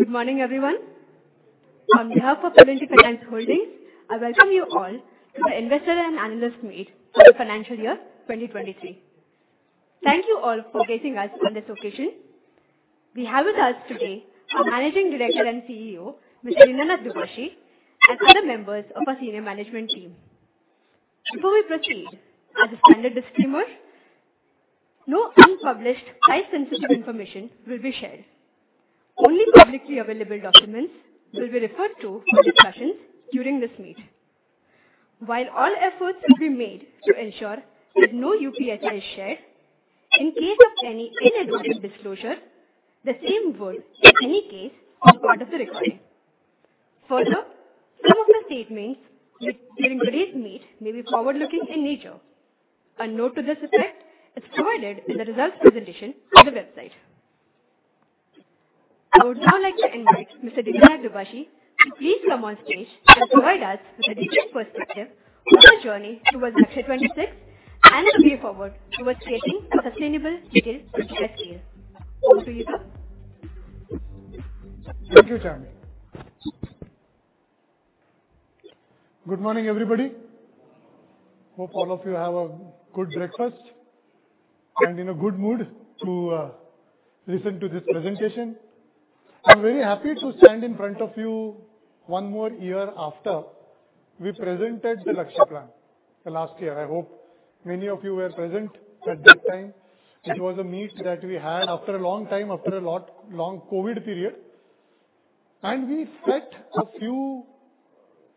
Good morning, everyone. On behalf of L&T Finance Holdings, I welcome you all to the Investor and Analyst Meet for the financial year 2023. Thank you all for gracing us on this occasion. We have with us today our Managing Director and CEO, Mr. Dinanath Dubhashi, and other members of our senior management team. Before we proceed, as a standard disclaimer, no unpublished price-sensitive information will be shared. Only publicly available documents will be referred to for discussions during this meet. While all efforts will be made to ensure that no UPSI is shared, in case of any inadvertent disclosure, the same would, in any case, are part of the recording. Some of the statements during today's meet may be forward-looking in nature. A note to this effect is provided in the results presentation on the website. I would now like to invite Mr. Dinanath Dubhashi to please come on stage and provide us with a detailed perspective of our journey towards Lakshya 2026 and the way forward towards creating a sustainable retail success story. Over to you, sir. Thank you, Chandni. Good morning, everybody. Good morning. Hope all of you had a good breakfast in a good mood to listen to this presentation. I'm very happy to stand in front of you one more year after we presented the Lakshya plan the last year. I hope many of you were present at that time. It was a meet that we had after a long time, after a long COVID period. We set a few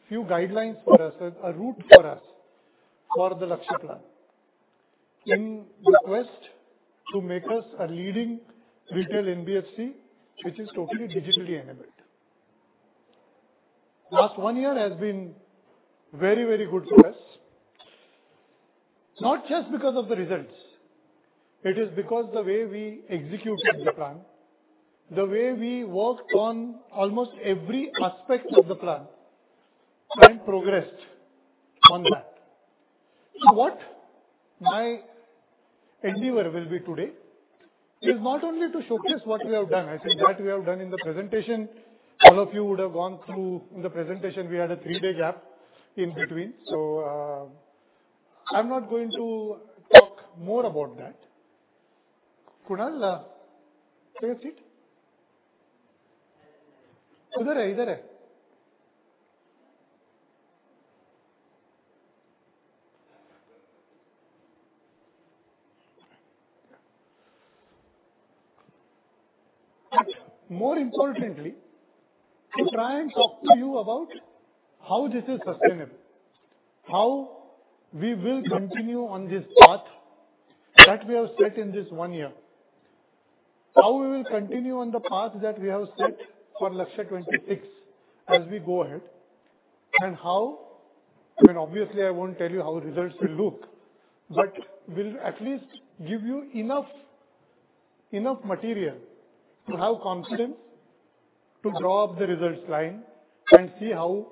guidelines for us, a route for us for the Lakshya plan in the quest to make us a leading retail NBFC which is totally digitally enabled. Last one year has been very good for us, not just because of the results. It is because the way we executed the plan, the way we worked on almost every aspect of the plan and progressed on that. What my endeavor will be today is not only to showcase what we have done. I think what we have done in the presentation, all of you would have gone through. In the presentation, we had a three-day gap in between. I'm not going to talk more about that. Kunal, take a seat. More importantly, to try and talk to you about how this is sustainable, how we will continue on this path that we have set in this one year. How we will continue on the path that we have set for Lakshya 2026 as we go ahead. I mean, obviously, I won't tell you how results will look, but we'll at least give you enough material to have confidence to draw up the results line and see how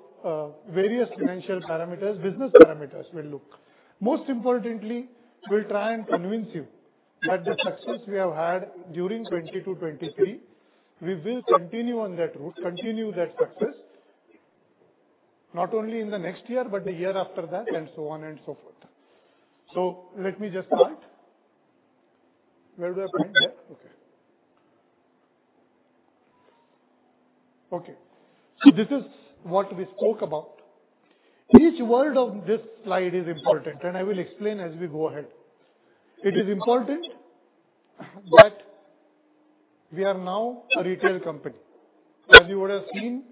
various financial parameters, business parameters will look. Most importantly, we'll try and convince you that the success we have had during 2022, 2023, we will continue on that route, continue that success, not only in the next year, but the year after that, and so on and so forth. Let me just start. Where do I point? There? Okay. Okay. This is what we spoke about. Each word on this slide is important, and I will explain as we go ahead. It is important that we are now a retail company. As you would have seen,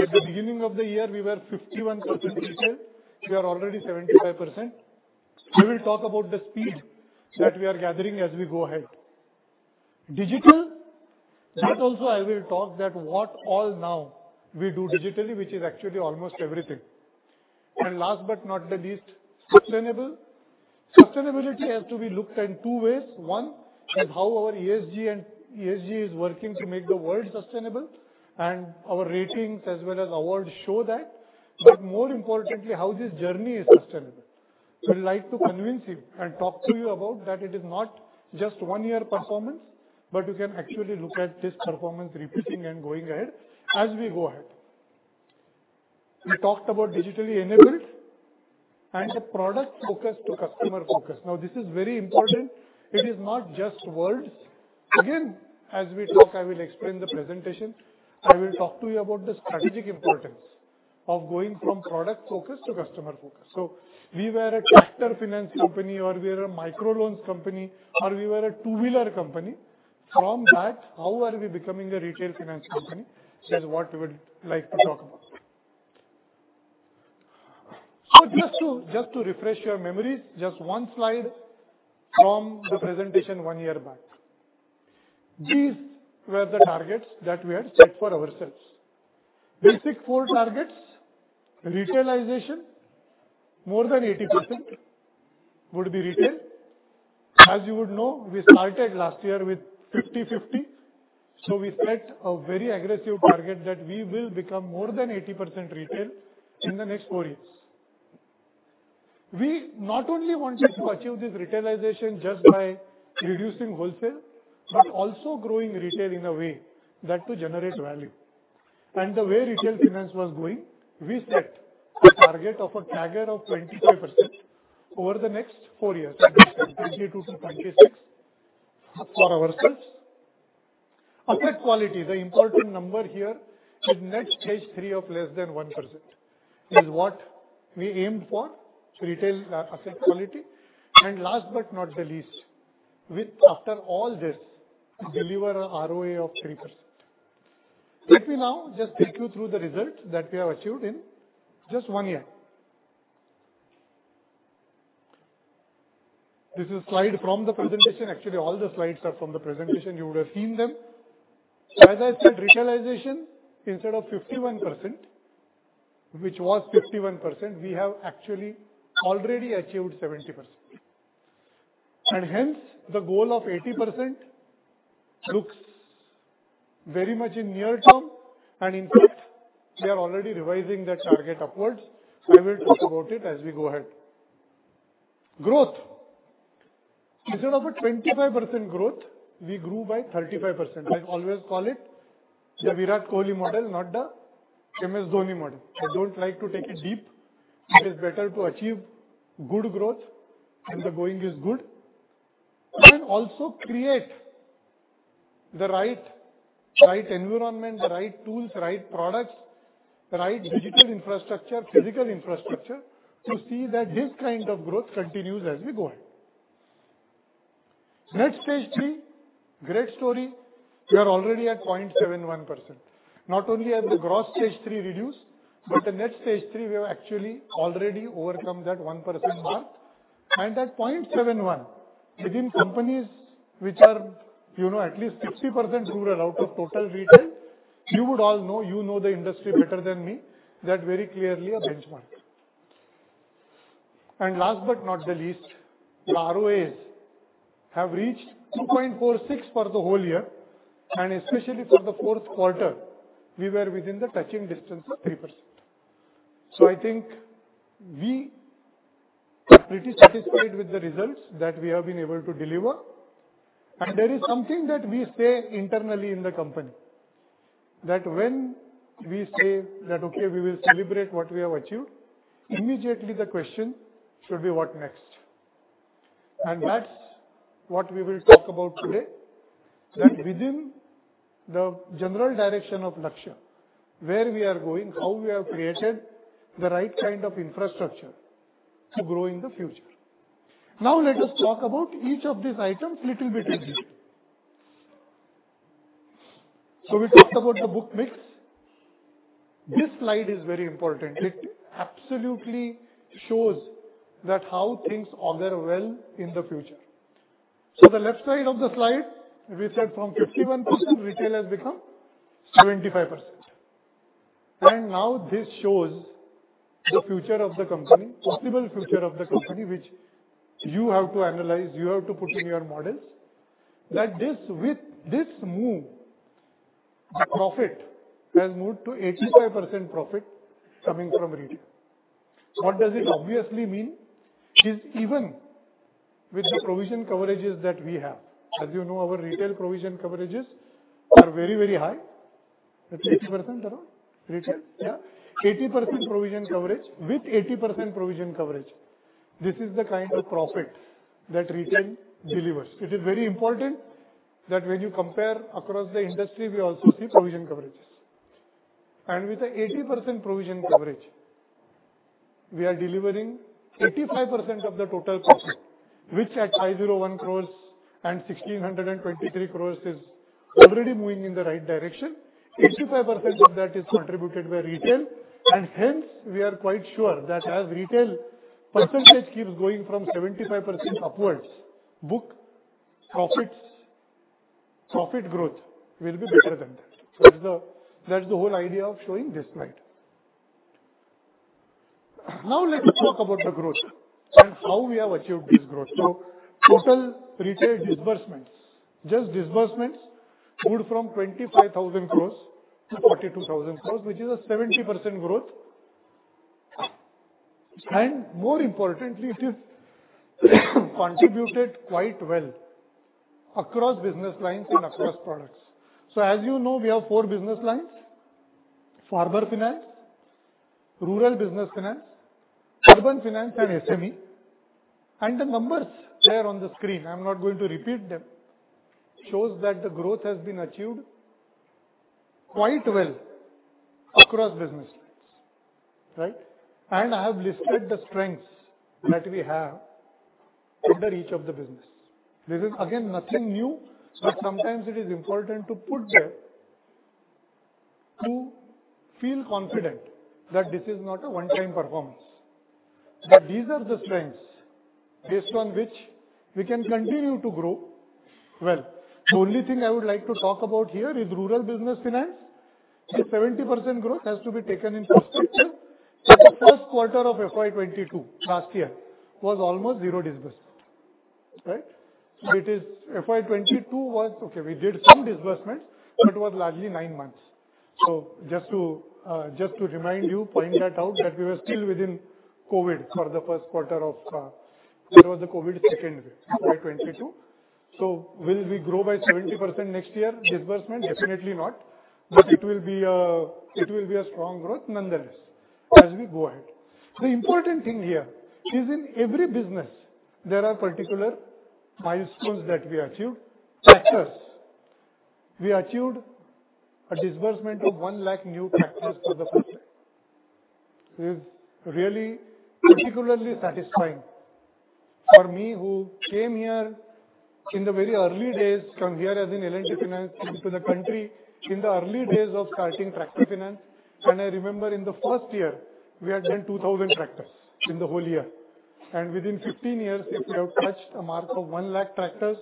at the beginning of the year, we were 51% retail. We are already 75%. We will talk about the speed that we are gathering as we go ahead. Digital. That also I will talk that what all now we do digitally, which is actually almost everything. Last but not the least, sustainable. Sustainability has to be looked in two ways. One is how our ESG and ESG is working to make the world sustainable, and our ratings as well as awards show that. More importantly, how this journey is sustainable. We like to convince you and talk to you about that it is not just one year performance, but you can actually look at this performance repeating and going ahead as we go ahead. We talked about digitally enabled and the product focus to customer focus. This is very important. It is not just words. As we talk, I will explain the presentation. I will talk to you about the strategic importance of going from product focus to customer focus. We were a tractor finance company, or we were a Micro Loans company, or we were a two-wheeler company. How are we becoming a retail finance company is what we would like to talk about. Just to refresh your memory, just one slide from the presentation one year back. These were the targets that we had set for ourselves. Basic four targets. Retailization, more than 80% would be retail. As you would know, we started last year with 50/50. We set a very aggressive target that we will become more than 80% retail in the next four years. We not only wanted to achieve this retailization just by reducing wholesale, but also growing retail in a way that to generate value. The way retail finance was going, we set a target of a CAGR of 25% over the next four years, that is, 2022-2026 for ourselves. Asset quality, the important number here is net Stage 3 of less than 1% is what we aimed for retail, asset quality. Last but not the least, with after all this, deliver a ROA of 3%. Let me now just take you through the results that we have achieved in just one year. This is a slide from the presentation. Actually, all the slides are from the presentation. You would have seen them. As I said, retailization instead of 51%, which was 51%, we have actually already achieved 70%. Hence, the goal of 80% looks very much in near term and in fact we are already revising that target upwards. I will talk about it as we go ahead. Growth. Instead of a 25% growth, we grew by 35%. I always call it the Virat Kohli model, not the MS Dhoni model. I don't like to take it deep. It is better to achieve good growth when the going is good and also create the right environment, the right tools, right products, the right digital infrastructure, physical infrastructure to see that this kind of growth continues as we go ahead. Net Stage 3, great story. We are already at 0.71%. Not only has the Gross Stage 3 reduced, but the Net Stage 3, we have actually already overcome that 1% mark and at 0.71 within companies which are, you know, at least 60% rural out of total retail. You would all know, you know the industry better than me. That very clearly a benchmark. Last but not the least, the ROAs have reached 2.46 for the whole year and especially for the fourth quarter, we were within the touching distance of 3%. I think we are pretty satisfied with the results that we have been able to deliver. There is something that we say internally in the company that when we say that, okay, we will celebrate what we have achieved, immediately the question should be what next? That's what we will talk about today, that within the general direction of Lakshya, where we are going, how we have created the right kind of infrastructure to grow in the future. Now let us talk about each of these items little bit in detail. We talked about the book mix. This slide is very important. It absolutely shows that how things augur well in the future. The left side of the slide, we said from 51%, retail has become 75% and now this shows the future of the company, possible future of the company, which you have to analyze, you have to put in your models that this, with this move, the profit has moved to 85% profit coming from retail. What does it obviously mean is even with the provision coverages that we have, as you know, our retail provision coverages are very, very high. It's 80% around retail. Yeah. 80% provision coverage. With 80% provision coverage, this is the kind of profit that retail delivers. It is very important that when you compare across the industry, we also see provision coverages. With the 80% provision coverage, we are delivering 85% of the total profit, which at 501 crores and 1,623 crores is already moving in the right direction. 85% of that is contributed by retail and hence we are quite sure that as retail percentage keeps going from 75% upwards, book profits, profit growth will be better than that. That's the, that's the whole idea of showing this slide. Now let's talk about the growth and how we have achieved this growth. Total retail disbursements, just disbursements moved from 25,000 crores to 42,000 crores, which is a 70% growth. More importantly, it is contributed quite well across business lines and across products. As you know, we have four business lines, farmer finance, rural business finance, urban finance and SME. The numbers there on the screen, I'm not going to repeat them, shows that the growth has been achieved quite well across business lines, right. I have listed the strengths that we have under each of the business. This is again, nothing new, but sometimes it is important to put there to feel confident that this is not a one time performance, but these are the strengths based on which we can continue to grow well. The only thing I would like to talk about here is rural business finance. The 70% growth has to be taken in perspective that the first quarter of FY 2022 last year was almost zero disbursement. Right. It is FY 2022 was Okay, we did some disbursements, but it was largely nine months. Just to remind you, point that out, that we were still within COVID for the first quarter of that was the COVID second wave, FY22. Will we grow by 70% next year disbursement? Definitely not. It will be a strong growth nonetheless as we go ahead. The important thing here is in every business there are particular milestones that we achieved. Tractors. We achieved a disbursement of one lakh new tractors for the first time. This is really particularly satisfying for me, who came here in the very early days. Comehere as in Allegiant Finance into the country in the early days of starting tractor finance. I remember in the first year we had done 2,000 tractors in the whole year. Within 15 years, if we have touched a mark of one lakh tractors,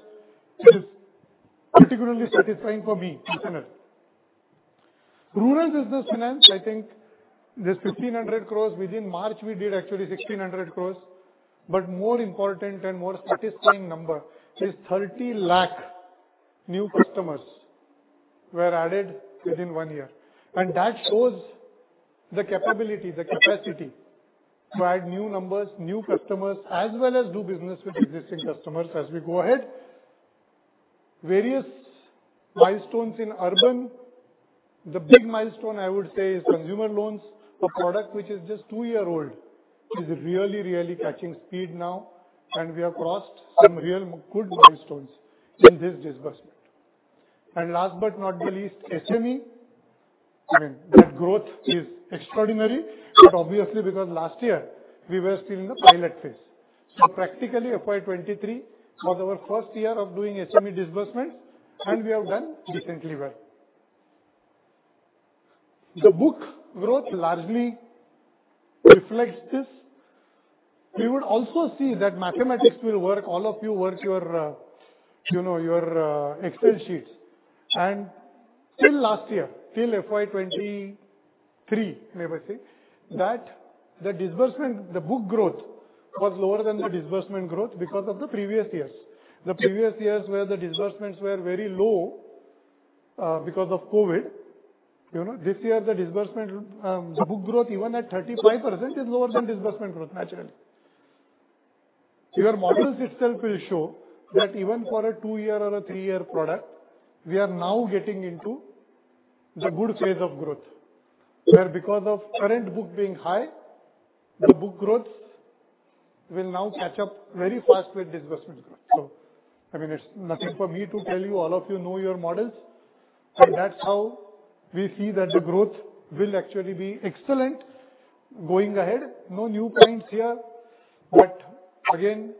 it is particularly satisfying for me personally. Rural business finance, I think this 1,500 crore. Within March we did actually 1,600 crore. More important and more satisfying number is 30 lakh new customers were added within one year. That shows the capability, the capacity to add new numbers, new customers, as well as do business with existing customers as we go ahead. Various milestones in urban. The big milestone, I would say, is Consumer Loans. A product which is just 2-year-old is really, really catching speed now, and we have crossed some real good milestones in this disbursement. Last but not the least, SME. I mean that growth is extraordinary, obviously because last year we were still in the pilot phase. Practically FY 2023 was our first year of doing SME disbursements and we have done decently well. The book growth largely reflects this. We would also see that mathematics will work. All of you work your, you know, your Excel sheets. Till last year, till FY 2023, may I say, that the book growth was lower than the disbursement growth because of the previous years. The previous years where the disbursements were very low because of COVID. You know, this year the book growth even at 35% is lower than disbursement growth, naturally. Your models itself will show that even for a 2-year or a 3-year product, we are now getting into the good phase of growth, where because of current book being high, the book growth will now catch up very fast with disbursement growth. I mean, it's nothing for me to tell you, all of you know your models, and that's how we see that the growth will actually be excellent going ahead. No new points here, but again,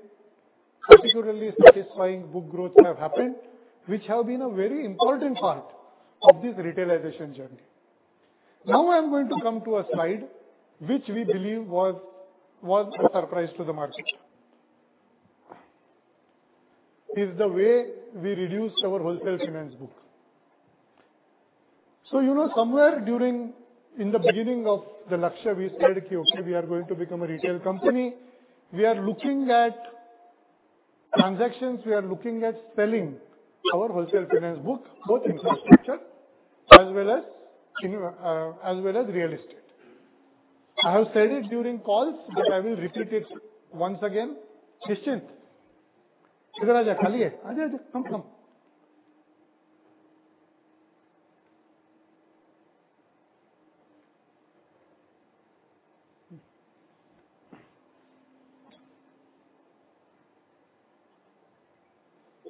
particularly satisfying book growth have happened, which have been a very important part of this retailization journey. Now I'm going to come to a slide which we believe was a surprise to the market. Is the way we reduced our wholesale finance book. You know, somewhere in the beginning of the Lakshya, we said, "Okay, we are going to become a retail company." We are looking at transactions. We are looking at selling our wholesale finance book, both infrastructure as well as in, as well as real estate. I have said it during calls, but I will repeat it once again. Nischint. Idhar aaja, khali hai. Aaja. Come. Karmi, yes. Come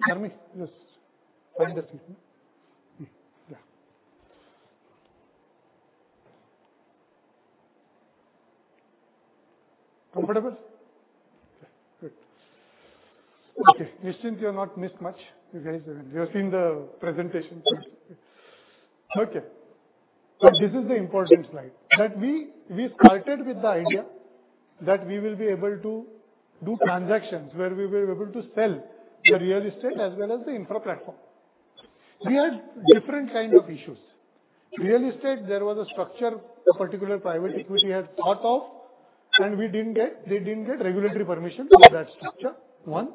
this way. Yeah. Comfortable? Good. Okay. Nischint, you have not missed much. You guys, you have seen the presentation. Okay. This is the important slide that we started with the idea that we will be able to do transactions where we were able to sell the real estate as well as the infra platform. We had different kind of issues. Real estate, there was a structure a particular private equity had thought of. They didn't get regulatory permission for that structure. One.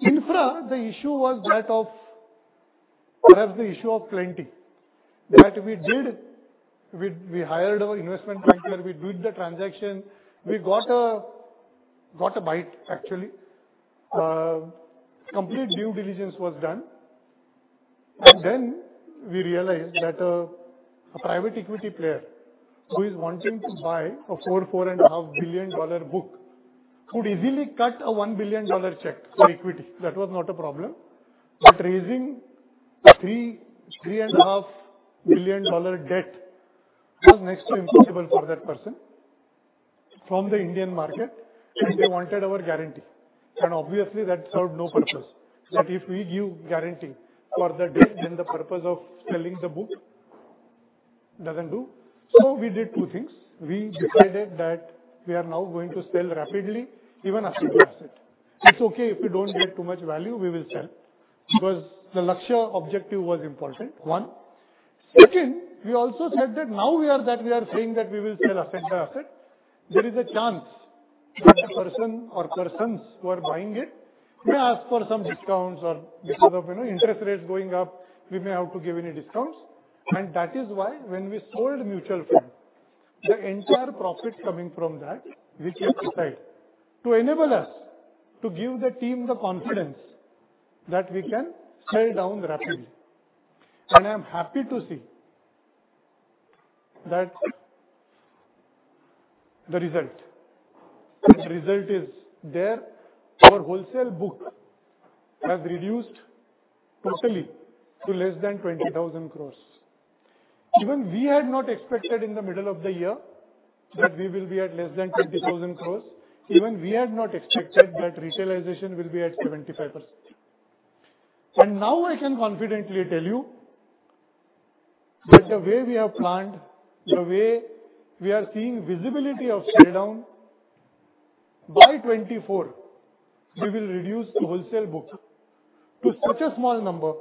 Infra, the issue was that of perhaps the issue of plenty. That we did. We hired our investment banker. We did the transaction. We got a bite, actually. Complete due diligence was done. Then we realized that a private equity player who is wanting to buy a $4 billion-$4.5 billion book could easily cut a $1 billion check for equity. That was not a problem. Raising $3 billion-$3.5 billion debt was next to impossible for that person from the Indian market, and they wanted our guarantee, and obviously that served no purpose. That if we give guarantee for the debt, then the purpose of selling the book doesn't do. We did two things. We decided that we are now going to sell rapidly, even a single asset. It's okay if we don't get too much value, we will sell. Because the Lakshya objective was important, 1. Second, we also said that we are saying that we will sell asset by asset. There is a chance that the person or persons who are buying it may ask for some discounts or because of, you know, interest rates going up, we may have to give any discounts. That is why when we sold mutual fund, the entire profit coming from that, we kept aside to enable us to give the team the confidence that we can sell down rapidly. I am happy to see that the result is there. Our wholesale book has reduced totally to less than 20,000 crores. Even we had not expected in the middle of the year that we will be at less than 20,000 crores. Even we had not expected that retailization will be at 75%. Now I can confidently tell you that the way we have planned, the way we are seeing visibility of sell down, by 2024, we will reduce the wholesale book to such a small number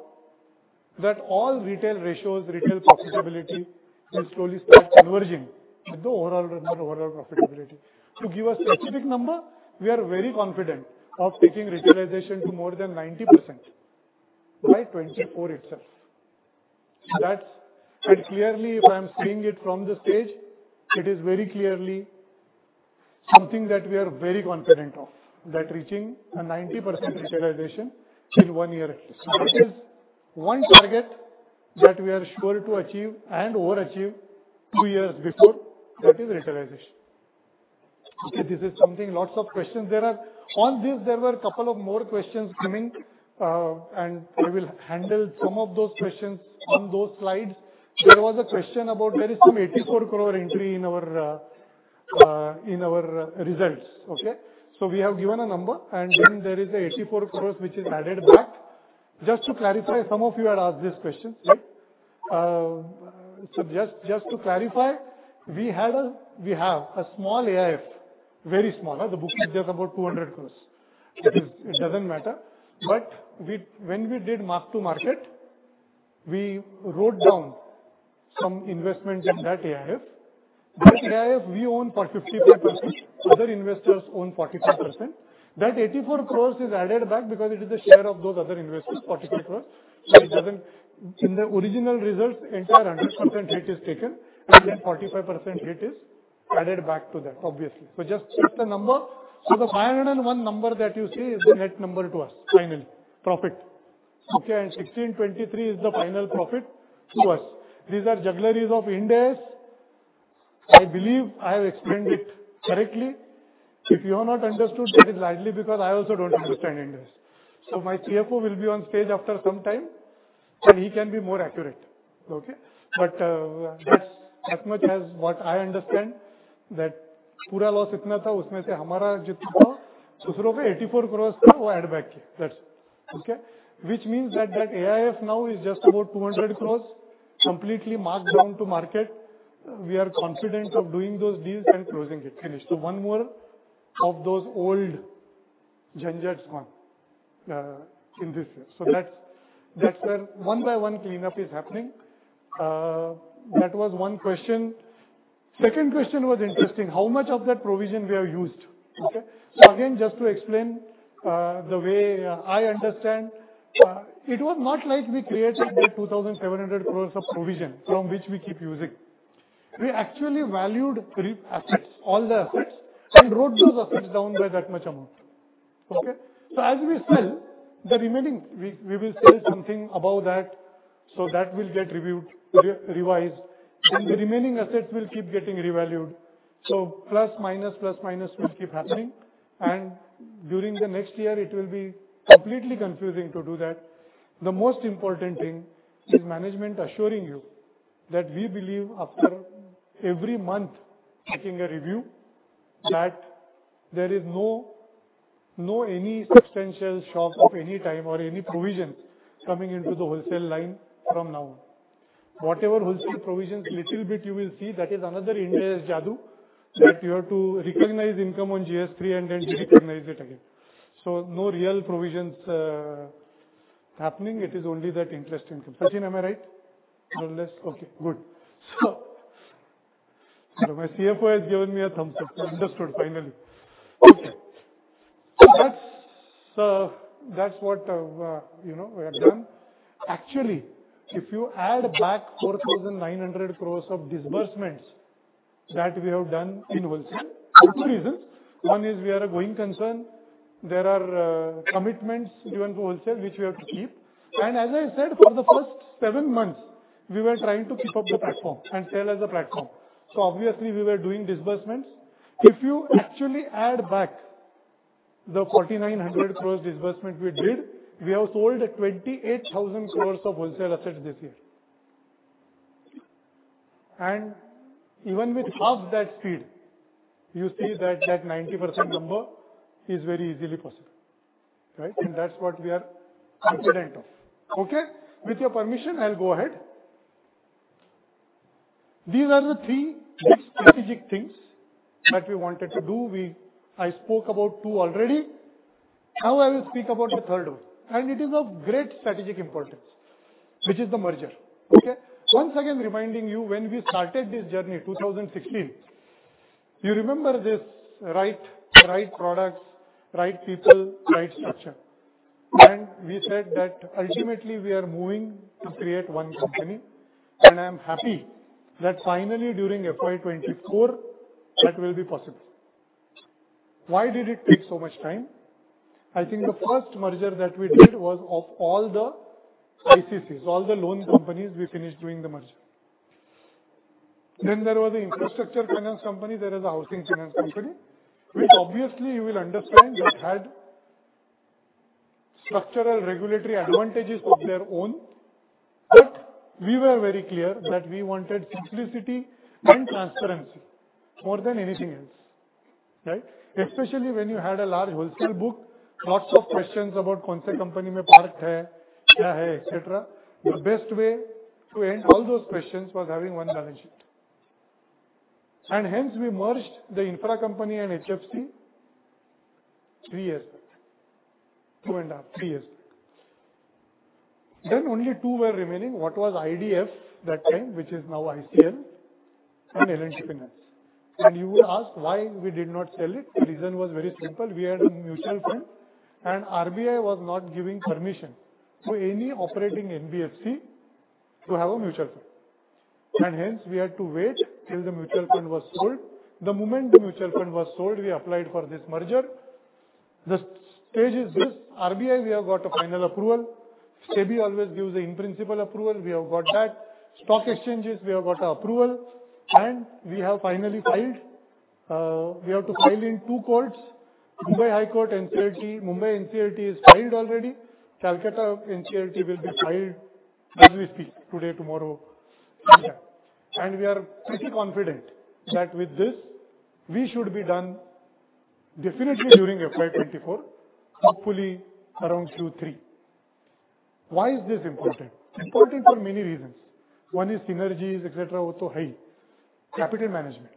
that all retail ratios, retail profitability will slowly start converging with the overall number, overall profitability. To give a specific number, we are very confident of taking retailization to more than 90% by 2024 itself. That's clearly, if I'm saying it from the stage, it is very clearly something that we are very confident of, that reaching a 90% retailization in one year. This is one target that we are sure to achieve and overachieve two years before that is retailization. Okay. This is something lots of questions. On this, there were a couple of more questions coming, I will handle some of those questions on those slides. There was a question about there is some 84 crore entry in our results. Okay? We have given a number, and then there is a 84 crores which is added back. Just to clarify, some of you had asked this question, right? Just to clarify, we have a small AIF, very small. The book is just about 200 crores. It is, it doesn't matter. When we did mark to market, we wrote down some investments in that AIF. That AIF we own for 53%, other investors own 42%. That 84 crores is added back because it is the share of those other investors, 42 crores. It doesn't... In the original results, entire 100% hit is taken, and then 45% hit is added back to that, obviously. Just check the number. The 501 number that you see is the net number to us, finally. Profit. Okay. 1,623 is the final profit to us. These are juggleries of Ind AS. I believe I have explained it correctly. If you have not understood, that is likely because I also don't understand Ind AS. My CFO will be on stage after some time, and he can be more accurate. Okay? That's as much as what I understand that that's it. Okay? Which means that that AIF now is just about 200 crores completely marked down to market. We are confident of doing those deals and closing it. Finished. One more of those old janjats gone in this year. That's where one by one cleanup is happening. That was one question. Second question was interesting. How much of that provision we have used? Okay? Again, just to explain, the way I understand, it was not like we created that 2,700 crores of provision from which we keep using. We actually valued three assets, all the assets, and wrote those assets down by that much amount. Okay? As we sell the remaining, we will sell something above that, so that will get reviewed, re-revised, and the remaining assets will keep getting revalued. Plus, minus, plus, minus will keep happening. During the next year it will be completely confusing to do that. The most important thing is management assuring you that we believe after every month taking a review, that there is no any substantial shock of any time or any provision coming into the wholesale line from now on. Whatever wholesale provisions, little bit you will see, that is another Ind AS jadu, that you have to recognize income on GS3 and then derecognize it again. No real provisions happening. It is only that interest income. Sachin, am I right? More or less. Okay, good. My CFO has given me a thumbs up. Understood, finally. Okay. That's what, you know, we have done. Actually, if you add back 4,900 crore of disbursements that we have done in wholesale for two reasons. One is we are a going concern. There are commitments given to wholesale which we have to keep. As I said, for the first seven months, we were trying to keep up the platform and sell as a platform. Obviously we were doing disbursements. If you actually add back the 4,900 crores disbursement we did, we have sold 28,000 crores of wholesale assets this year. Even with half that speed, you see that 90% number is very easily possible, right? That's what we are confident of. Okay? With your permission, I'll go ahead. These are the three big strategic things that we wanted to do. I spoke about two already. Now I will speak about the third one, and it is of great strategic importance, which is the merger. Okay? Once again reminding you, when we started this journey, 2016, you remember this right products, right people, right structure. We said that ultimately we are moving to create one company, and I am happy that finally during FY 2024, that will be possible. Why did it take so much time? I think the first merger that we did was of all the ICCs, all the loan companies, we finished doing the merger. There was the infrastructure finance company. There is a Housing Finance Company, which obviously you will understand that had structural regulatory advantages of their own. We were very clear that we wanted simplicity and transparency more than anything else, right? Especially when you had a large wholesale book. The best way to end all those questions was having one balance sheet. Hence we merged the infra company and HFC three years back. Two and a half, three years back. Only two were remaining. What was IDF that time, which is now ICL and L&T Finance. You would ask why we did not sell it. The reason was very simple. We had a mutual fund and RBI was not giving permission to any operating NBFC to have a mutual fund. Hence we had to wait till the mutual fund was sold. The stage is this. RBI, we have got a final approval. SEBI always gives an in-principle approval. We have got that. Stock exchanges, we have got approval and we have finally filed. We have to file in two courts, Mumbai High Court, NCLT. Mumbai NCLT is filed already. Calcutta NCLT will be filed as we speak today, tomorrow. We are pretty confident that with this we should be done definitely during FY24, hopefully around Q3. Why is this important? Important for many reasons. One is synergies, et cetera. Capital management.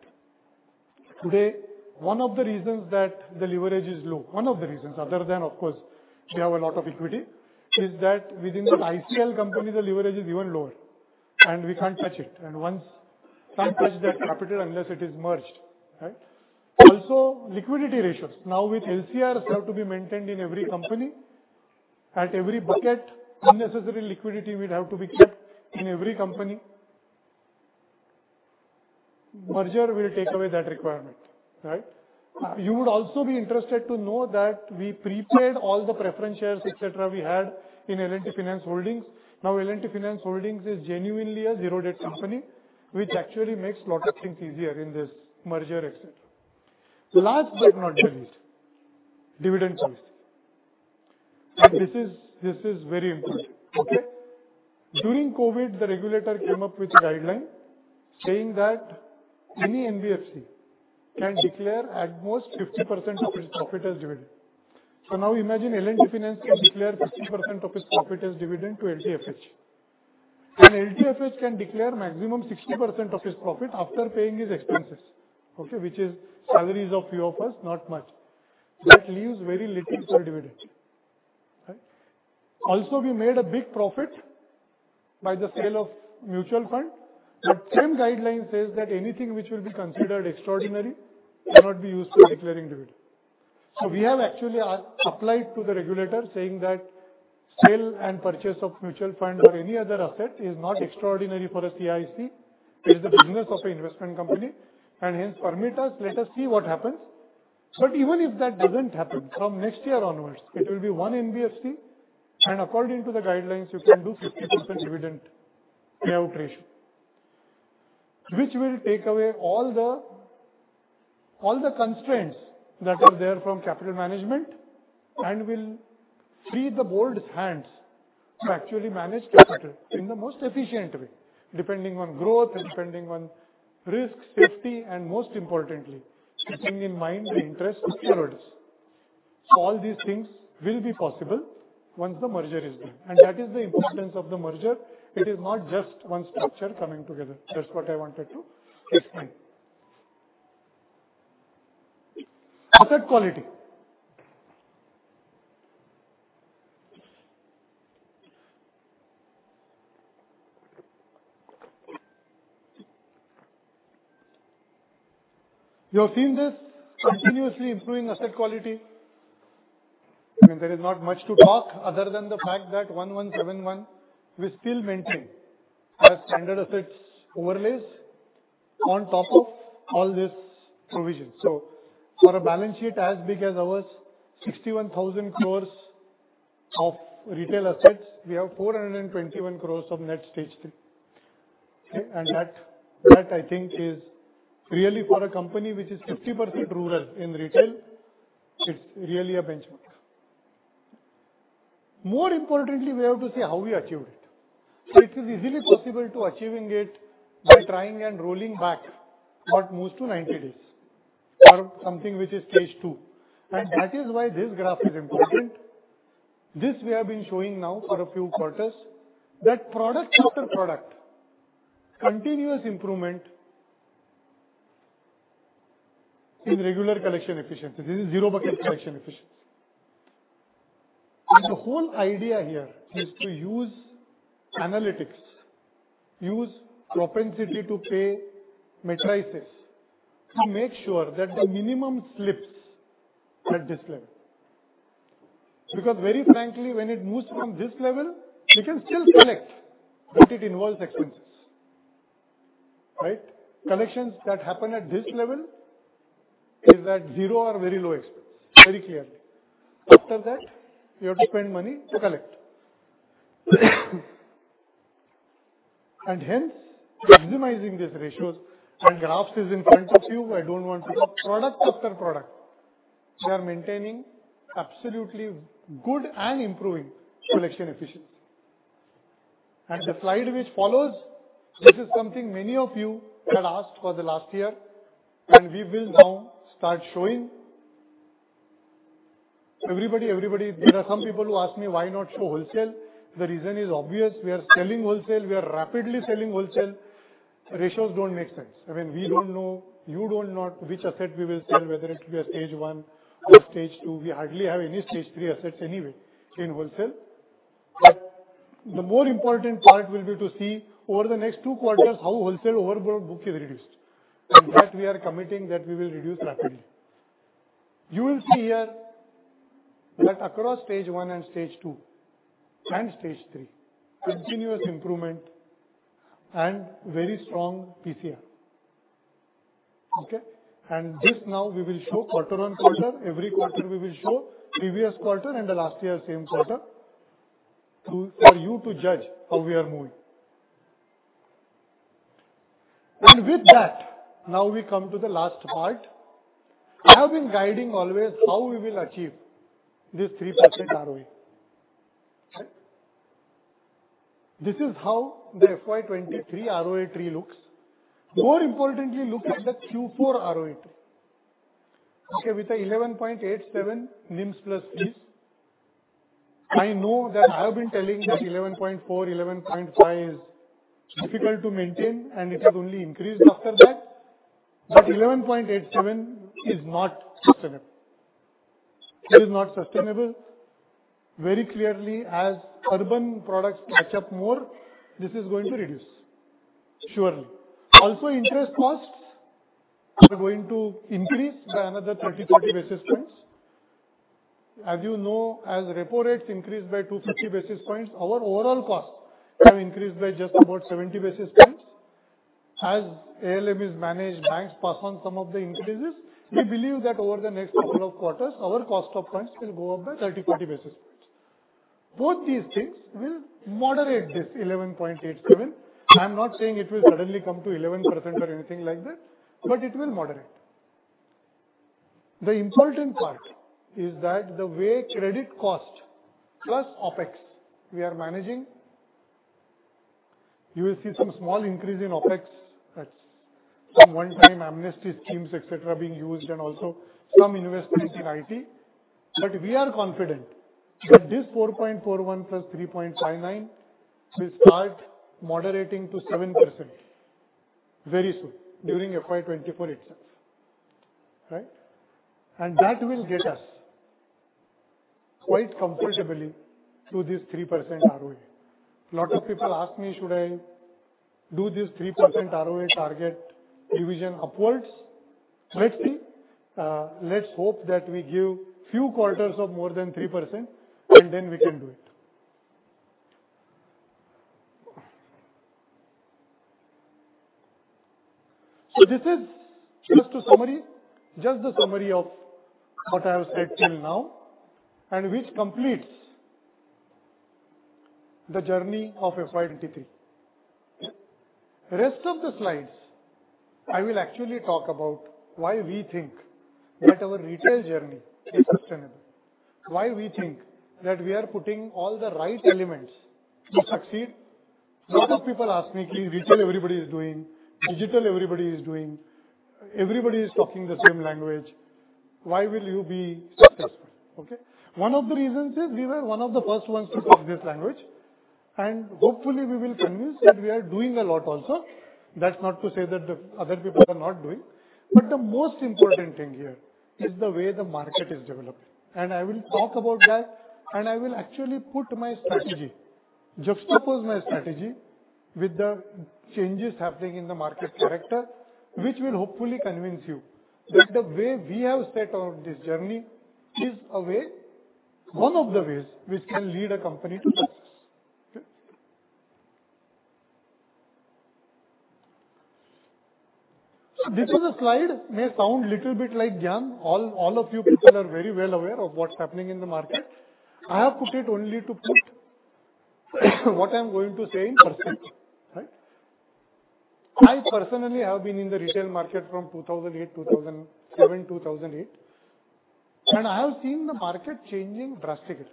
Today, one of the reasons that the leverage is low, one of the reasons other than of course, we have a lot of equity, is that within the ICL company, the leverage is even lower and we can't touch it. Once can't touch that capital unless it is merged. Right? Also, liquidity ratios. Now with LCRs have to be maintained in every company at every bucket, unnecessary liquidity will have to be kept in every company. Merger will take away that requirement, right? You would also be interested to know that we prepaid all the preference shares, et cetera, we had in L&T Finance Holdings. Now, L&T Finance Holdings is genuinely a zero debt company, which actually makes lot of things easier in this merger, et cetera. Last but not the least, dividend policy. This is very important, okay? During COVID, the regulator came up with a guideline saying that any NBFC can declare at most 50% of its profit as dividend. Now imagine L&T Finance can declare 50% of its profit as dividend to LTFH. LTFH can declare maximum 60% of its profit after paying his expenses. Okay? Which is salaries of few of us, not much. That leaves very little for dividend. Right? We made a big profit by the sale of mutual fund. Same guideline says that anything which will be considered extraordinary cannot be used for declaring dividend. We have actually applied to the regulator saying that sale and purchase of mutual fund or any other asset is not extraordinary for a CIC. It is the business of an investment company and hence permit us. Let us see what happens. Even if that doesn't happen, from next year onwards it will be one NBFC and according to the guidelines, you can do 50% dividend payout ratio, which will take away all the constraints that are there from capital management and will free the board's hands to actually manage capital in the most efficient way, depending on growth, depending on risk, safety, and most importantly, keeping in mind the interest of shareholders. All these things will be possible once the merger is done, and that is the importance of the merger. It is not just one structure coming together. That's what I wanted to explain. Asset quality. You have seen this continuously improving asset quality. I mean, there is not much to talk other than the fact that 1,171, we still maintain our standard assets overlays on top of all this provision. For a balance sheet as big as ours, 61,000 crores of retail assets, we have 421 crores of net Stage 3. Okay. That I think is really for a company which is 60% rural in retail, it's really a benchmark. More importantly, we have to see how we achieved it. It is easily possible to achieving it by trying and rolling back what moves to 90 days or something which is Stage 2. That is why this graph is important. This we have been showing now for a few quarters. Product after product, continuous improvement in regular collection efficiency. This is zero bucket collection efficiency. The whole idea here is to use analytics, use propensity to pay matrices to make sure that the minimum slips at this level. Very frankly, when it moves from this level, you can still collect, but it involves expenses, right? Collections that happen at this level is at zero or very low expense, very clearly. After that, you have to spend money to collect. Hence, minimizing these ratios and graphs is in front of you. Product after product, we are maintaining absolutely good and improving collection efficiency. The slide which follows, this is something many of you had asked for the last year, and we will now start showing. Everybody, there are some people who ask me why not show wholesale. The reason is obvious. We are selling wholesale. We are rapidly selling wholesale. Ratios don't make sense. I mean, we don't know, you don't know which asset we will sell, whether it'll be a Stage 1 or Stage two. We hardly have any Stage 3 assets anyway in wholesale. The more important part will be to see over the next two quarters how wholesale overboard book is reduced. That we are committing that we will reduce rapidly. You will see here that across Stage 1 and Stage 2 and Stage 3, continuous improvement and very strong PCR. Okay? This now we will show quarter-on-quarter. Every quarter we will show previous quarter and the last year same quarter to, for you to judge how we are moving. With that, now we come to the last part. I have been guiding always how we will achieve this 3% ROE. This is how the FY23 ROE tree looks. More importantly, look at the Q4 ROE tree. Okay, with 11.87 NIM plus fees, I know that I have been telling that 11.4, 11.5 is difficult to maintain, and it has only increased after that. 11.87 is not sustainable. It is not sustainable. Very clearly, as urban products catch up more, this is going to reduce. Surely. Interest costs are going to increase by another 30, 40 basis points. As you know, as repo rates increase by 250 basis points, our overall costs have increased by just about 70 basis points. As ALM is managed, banks pass on some of the increases. We believe that over the next couple of quarters, our cost of funds will go up by 30, 40 basis points. Both these things will moderate this 11.87. I'm not saying it will suddenly come to 11% or anything like that, but it will moderate. The important part is that the way credit cost plus OpEx we are managing, you will see some small increase in OpEx. That's some one-time amnesty schemes, et cetera, being used and also some investments in IT. We are confident that this 4.41 plus 3.59 will start moderating to 7% very soon during FY 2024 itself, right? That will get us quite comfortably to this 3% ROE. Lot of people ask me should I do this 3% ROE target revision upwards. Let's see. Let's hope that we give few quarters of more than 3% and then we can do it. This is just a summary, just the summary of what I have said till now, and which completes the journey of FY 2023. Rest of the slides I will actually talk about why we think that our retail journey is sustainable, why we think that we are putting all the right elements to succeed. Lot of people ask me, "Retail everybody is doing, digital everybody is doing, everybody is talking the same language. Why will you be successful?" Okay? One of the reasons is we were one of the first ones to talk this language, and hopefully we will convince that we are doing a lot also. That's not to say that the other people are not doing. The most important thing here is the way the market is developing. I will talk about that and I will actually put my strategy, juxtapose my strategy with the changes happening in the market character, which will hopefully convince you that the way we have set out this journey is a way, one of the ways which can lead a company to success. Okay. This is a slide, may sound little bit like gyaan. All of you people are very well aware of what's happening in the market. I have put it only to put what I'm going to say in %. Right? I personally have been in the retail market from 2008, 2007, 2008. I have seen the market changing drastically.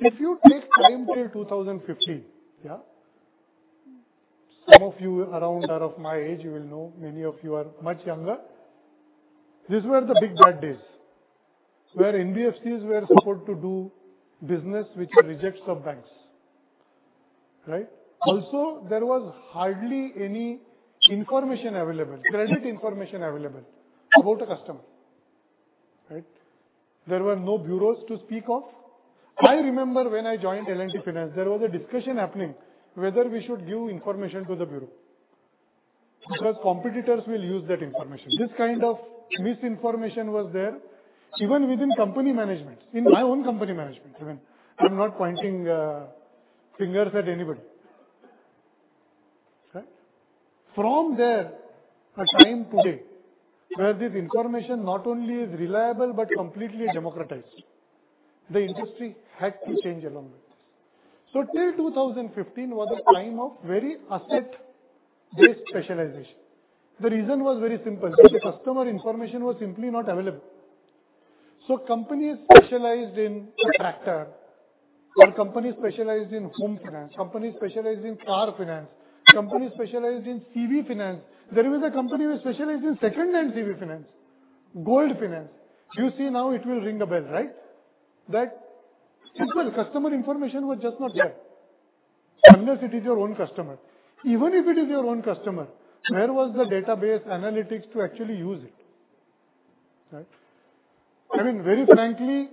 If you take time till 2015, yeah Some of you around are of my age, you will know. Many of you are much younger. These were the big bad days where NBFCs were supposed to do business which rejects of banks, right? There was hardly any information available, credit information available about a customer, right? There were no bureaus to speak of. I remember when I joined L&T Finance, there was a discussion happening whether we should give information to the bureau, because competitors will use that information. This kind of misinformation was there even within company management. In my own company management even. I'm not pointing fingers at anybody. Right? From there, a time today where this information not only is reliable but completely democratized, the industry had to change along with this. Till 2015 was a time of very asset-based specialization. The reason was very simple, the customer information was simply not available. Companies specialized in tractor or companies specialized in home finance, companies specialized in car finance, companies specialized in CV finance. There was a company which specialized in second-hand CV finance, gold finance. You see now it will ring a bell, right? That simple customer information was just not there. Unless it is your own customer. Even if it is your own customer, where was the database analytics to actually use it? Right? I mean, very frankly,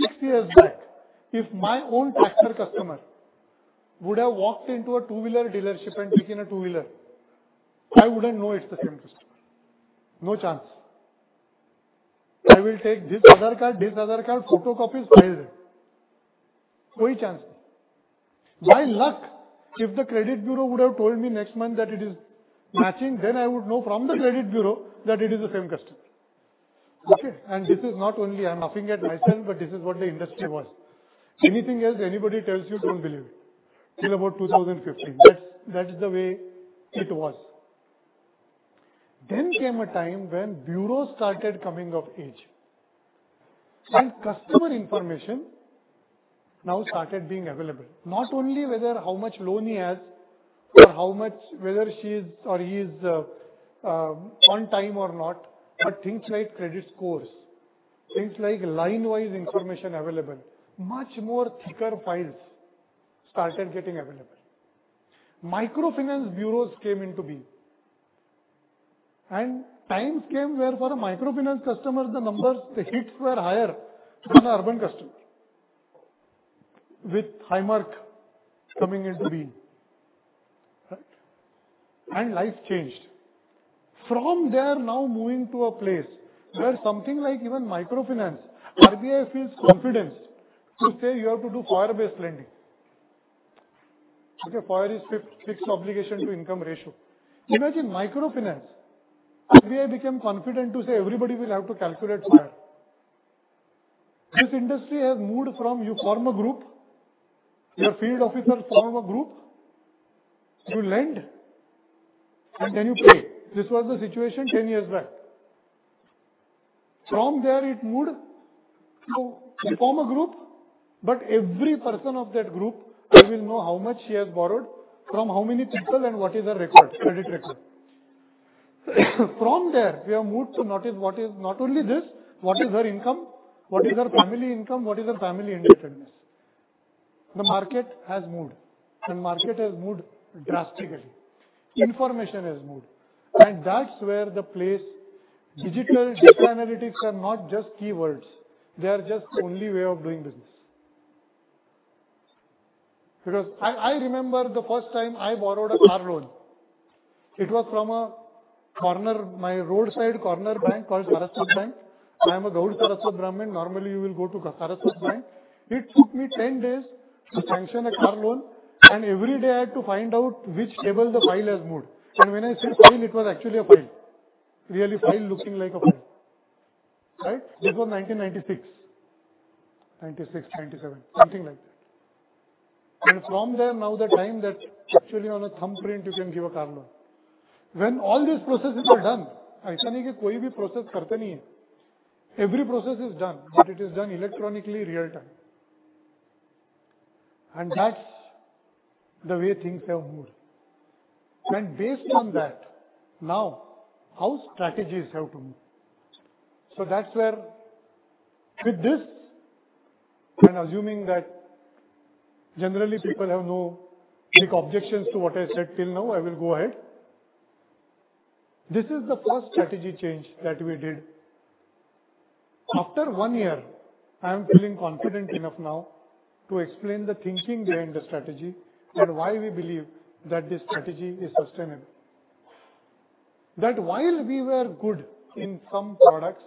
six years back, if my own tractor customer would have walked into a two-wheeler dealership and taken a two-wheeler, I wouldn't know it's the same customer. No chance. I will take this Aadhaar card, photocopies, file them. Koi chance nahi. By luck, if the credit bureau would have told me next month that it is matching, then I would know from the credit bureau that it is the same customer. Okay? This is not only I'm laughing at myself, but this is what the industry was. Anything else anybody tells you, don't believe it. Till about 2015, that's the way it was. Came a time when bureaus started coming of age and customer information now started being available. Not only whether how much loan he has or whether she is or he is on time or not, but things like credit scores, things like line-wise information available, much more thicker files started getting available. Microfinance bureaus came into being. Times came where for a microfinance customer, the numbers, the hits were higher than urban customer with Highmark coming into being. Right? Life changed. From there now moving to a place where something like even microfinance, RBI feels confidence to say you have to do FOIR-based lending. Okay, COIR is Fixed Obligation to Income Ratio. Imagine microfinance, RBI became confident to say everybody will have to calculate COIR. This industry has moved from you form a group, your field officers form a group, you lend, and then you pay. This was the situation 10 years back. From there, it moved to you form a group, but every person of that group, I will know how much he has borrowed from how many people and what is their record, credit record. From there, we have moved to what is, not only this, what is her income, what is her family income, what is her family independence. The market has moved, and market has moved drastically. Information has moved. That's where the place digital data analytics are not just keywords, they are just only way of doing business. I remember the first time I borrowed a car loan, it was from a corner, my roadside corner bank called Saraswat Bank. I am a Gaud Saraswat Brahmin. Normally, you will go to Saraswat Bank. It took me 10 days to sanction a car loan, and every day I had to find out which table the file has moved. When I say file, it was actually a file. Really file looking like a file, right? This was 1996. 1996, 1997, something like that. From there, now the time that actually on a thumbprint, you can give a car loan. When all these processes are done, actually koi bhi process karte nahi hai. Every process is done, but it is done electronically, real time. That's the way things have moved. Based on that, now how strategies have to move. That's where with this, and assuming that generally people have no big objections to what I said till now, I will go ahead. This is the first strategy change that we did. After one year, I am feeling confident enough now to explain the thinking behind the strategy and why we believe that this strategy is sustainable. That while we were good in some products,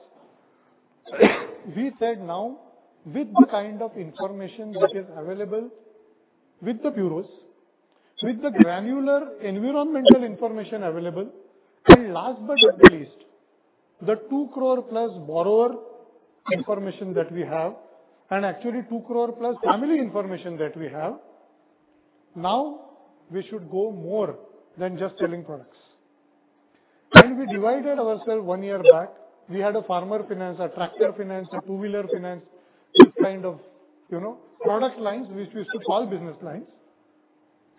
we said, now with the kind of information which is available with the bureaus, with the granular environmental information available, and last but not least, the 2 crore plus borrower information that we have, and actually 2 crore plus family information that we have, now we should go more than just selling products. We divided ourselves one year back. We had a farmer finance, a tractor finance, a two-wheeler finance, this kind of, you know, product lines which we used to call business lines.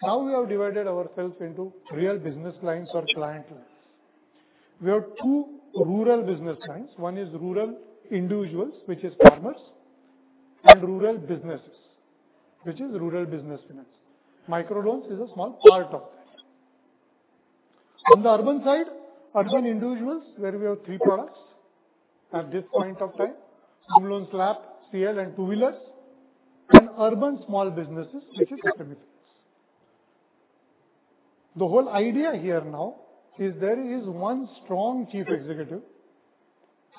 We have divided ourselves into real business lines or client lines. We have rural business lines. One is rural individuals, which is farmers and rural businesses, which is rural business finance. Micro Loans is a small part of that. On the urban side, urban individuals where we have three products at this point of time, some loans LAP, CL and two-wheelers and urban small businesses, which is SME finance. The whole idea here now is there is one strong chief executive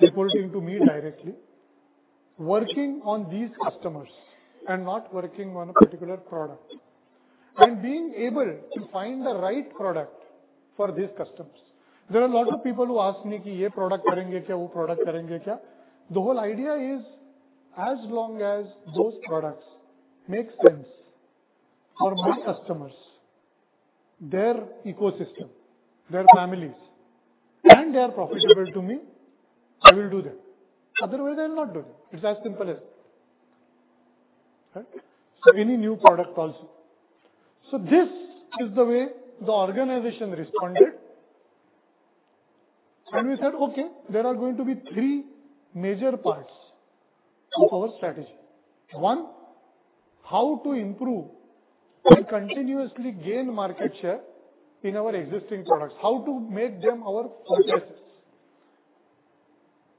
reporting to me directly, working on these customers and not working on a particular product, and being able to find the right product for these customers. There are a lot of people who ask me, "This product, will they do? That product, will they do?" The whole idea is, as long as those products make sense for my customers, their ecosystem, their families, and they are profitable to me, I will do them. Otherwise, I will not do them. It's as simple as that, right? Any new product also. This is the way the organization responded. We said, okay, there are going to be three major parts of our strategy. One, how to improve and continuously gain market share in our existing products, how to make them our successes.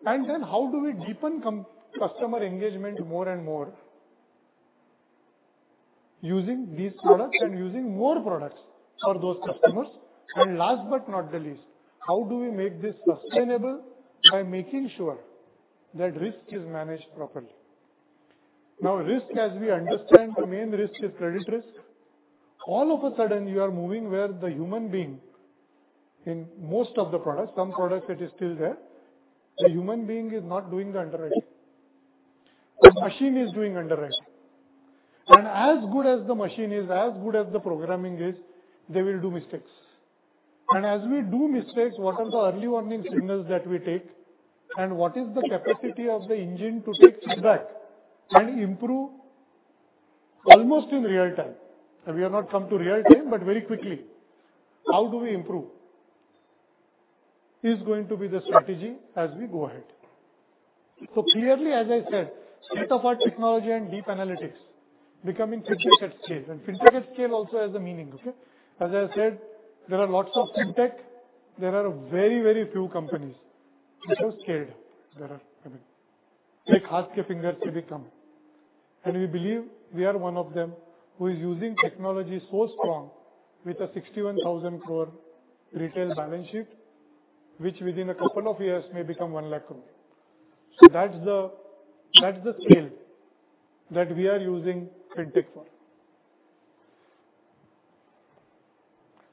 How do we deepen customer engagement more and more using these products and using more products for those customers. Last but not the least, how do we make this sustainable by making sure that risk is managed properly. Risk, as we understand, the main risk is credit risk. All of a sudden, you are moving where the human being in most of the products, some products it is still there. The human being is not doing the underwriting. The machine is doing underwriting. As good as the machine is, as good as the programming is, they will do mistakes. As we do mistakes, what are the early warning signals that we take and what is the capacity of the engine to take feedback and improve almost in real time? We have not come to real time, but very quickly. How do we improve is going to be the strategy as we go ahead. Clearly, as I said, state-of-art technology and deep analytics becoming fintech at scale. Fintech at scale also has a meaning, okay. As I said, there are lots of fintech. There are very few companies which have scaled. There are, I mean, like hands can finger, say, become. We believe we are one of them who is using technology so strong with an 61,000 crore retail balance sheet, which within a couple of years may become one lakh crore. That's the, that's the scale that we are using fintech for.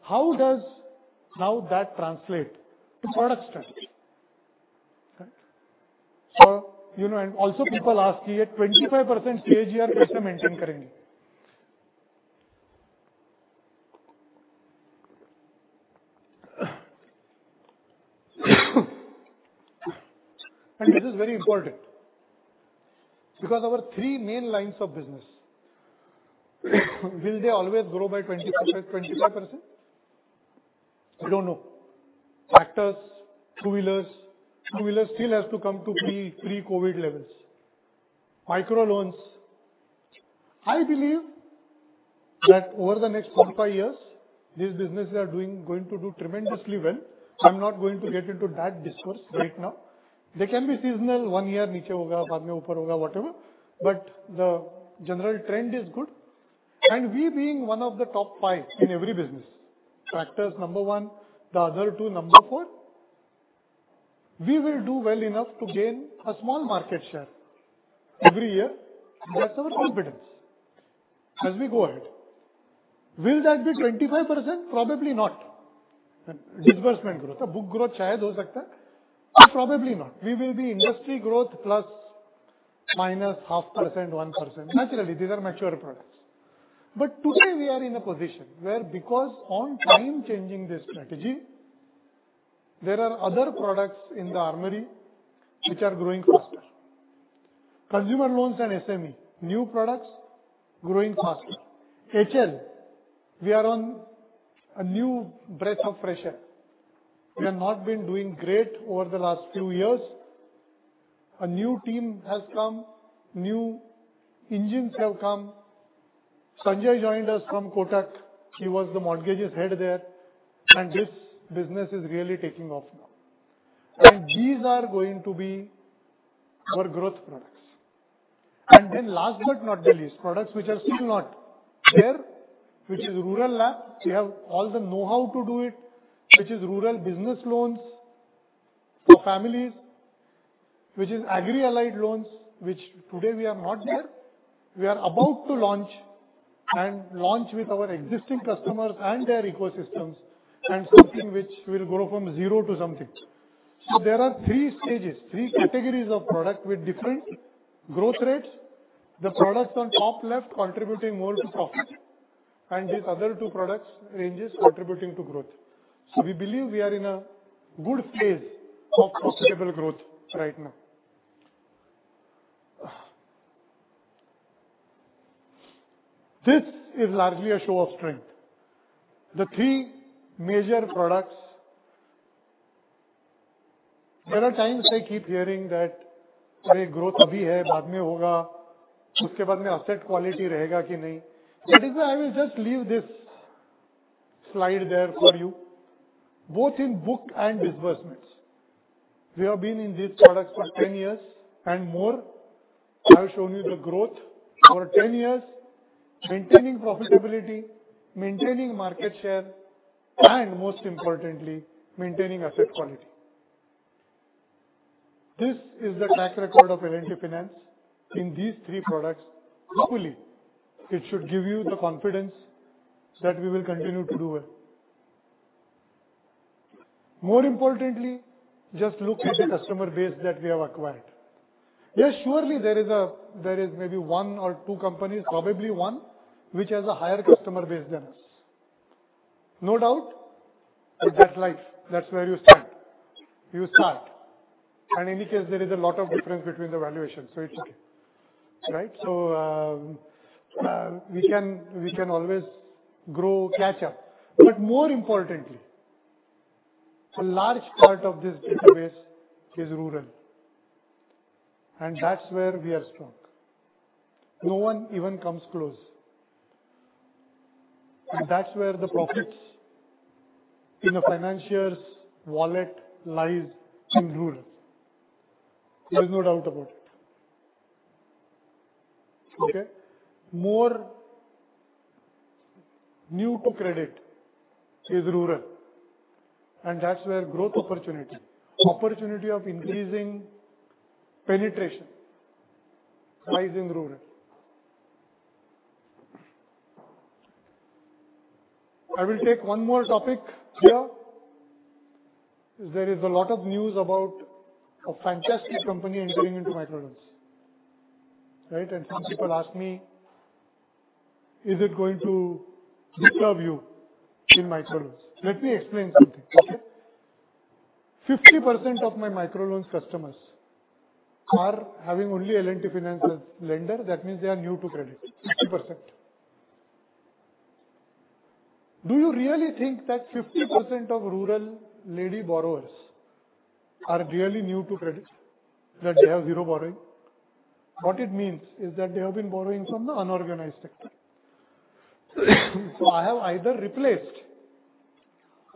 How does now that translate to product strategy, right? You know, people ask, "25% CAGR, how will you maintain?" This is very important because our three main lines of business, will they always grow by 20%, 25%? I don't know. Tractors, two-wheelers. Two-wheeler still has to come to pre-COVID levels. Micro Loans, I believe that over the next three to five years, these businesses are going to do tremendously well. I'm not going to get into that discourse right now. They can be seasonal, one year it will be down, then it will be up, whatever, but the general trend is good. We being one of the top five in every business, tractors number one, the other two number four, we will do well enough to gain a small market share every year. That's our confidence as we go ahead. Will that be 25%? Probably not. Disbursement growth. Book growth, maybe it can happen, but probably not. We will be industry growth plus minus 0.5%, 1%. Naturally, these are mature products. Today we are in a position where because on time changing the strategy, there are other products in the armory which are growing faster. Consumer loans and SME, new products growing faster. HL, we are on a new breath of fresh air. We have not been doing great over the last few years. A new team has come, new engines have come. Sanjay joined us from Kotak. He was the mortgages head there, and this business is really taking off now. These are going to be our growth products. Last but not the least, products which are still not there, which is Rural LAP. We have all the know-how to do it, which is rural business loans for families, which is agri-allied loans, which today we are not there. We are about to launch and launch with our existing customers and their ecosystems and something which will grow from zero to something. There are three stages, three categories of product with different growth rates. The products on top left contributing more to profits and these other two products ranges contributing to growth. We believe we are in a good phase of profitable growth right now. This is largely a show of strength. The three major products. There are times I keep hearing that, " Growth " asset quality. Ratna, I will just leave this slide there for you, both in book and disbursements. We have been in these products for 10 years and more. I have shown you the growth for 10 years, maintaining profitability, maintaining market share, and most importantly, maintaining asset quality. This is the track record of L&T Finance in these three products. Hopefully, it should give you the confidence that we will continue to do well. More importantly, just look at the customer base that we have acquired. Yes, surely there is maybe one or two companies, probably one, which has a higher customer base than us. No doubt. That's life. That's where you stand. You start. In any case, there is a lot of difference between the valuations, so it's okay. Right? So, we can always grow, catch up. More importantly, a large part of this database is rural, and that's where we are strong. No one even comes close. That's where the profits in a financier's wallet lies, in rural. There's no doubt about it. Okay? More new to credit is rural, and that's where growth opportunity of increasing penetration lies in rural. I will take one more topic here. There is a lot of news about a fantastic company entering into Micro Loans, right? Some people ask me, "Is it going to disturb you in Micro Loans?" Let me explain something, okay. 50% of my Micro Loans customers are having only L&T Finance as lender. That means they are new to credit, 50%. Do you really think that 50% of rural lady borrowers are really new to credit that they have zero borrowing? What it means is that they have been borrowing from the unorganized sector. I have either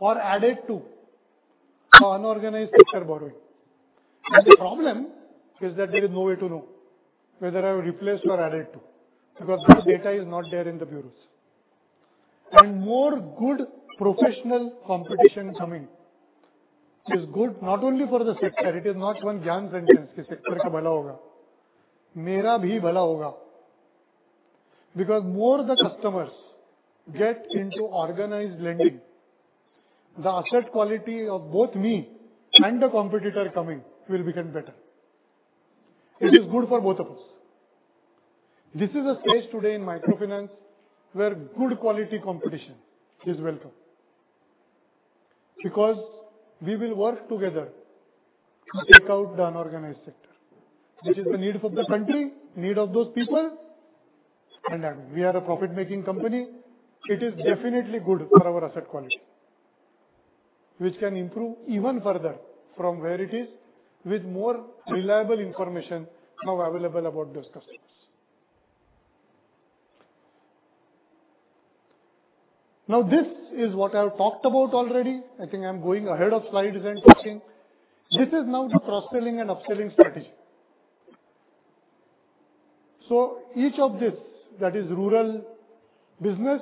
replaced or added to our unorganized sector borrowing. The problem is that there is no way to know whether I've replaced or added to, because those data is not there in the bureaus. More good professional competition coming is good not only for the sector, it is not one because more the customers get into organized lending, the asset quality of both me and the competitor coming will become better. It is good for both of us. This is a stage today in microfinance where good quality competition is welcome, because we will work together to take out the unorganized sector. This is the need for the country, need of those people, we are a profit-making company. It is definitely good for our asset quality, which can improve even further from where it is with more reliable information now available about those customers. This is what I have talked about already. I think I'm going ahead of slides and talking. This is now the cross-selling and upselling strategy. Each of this, that is rural business,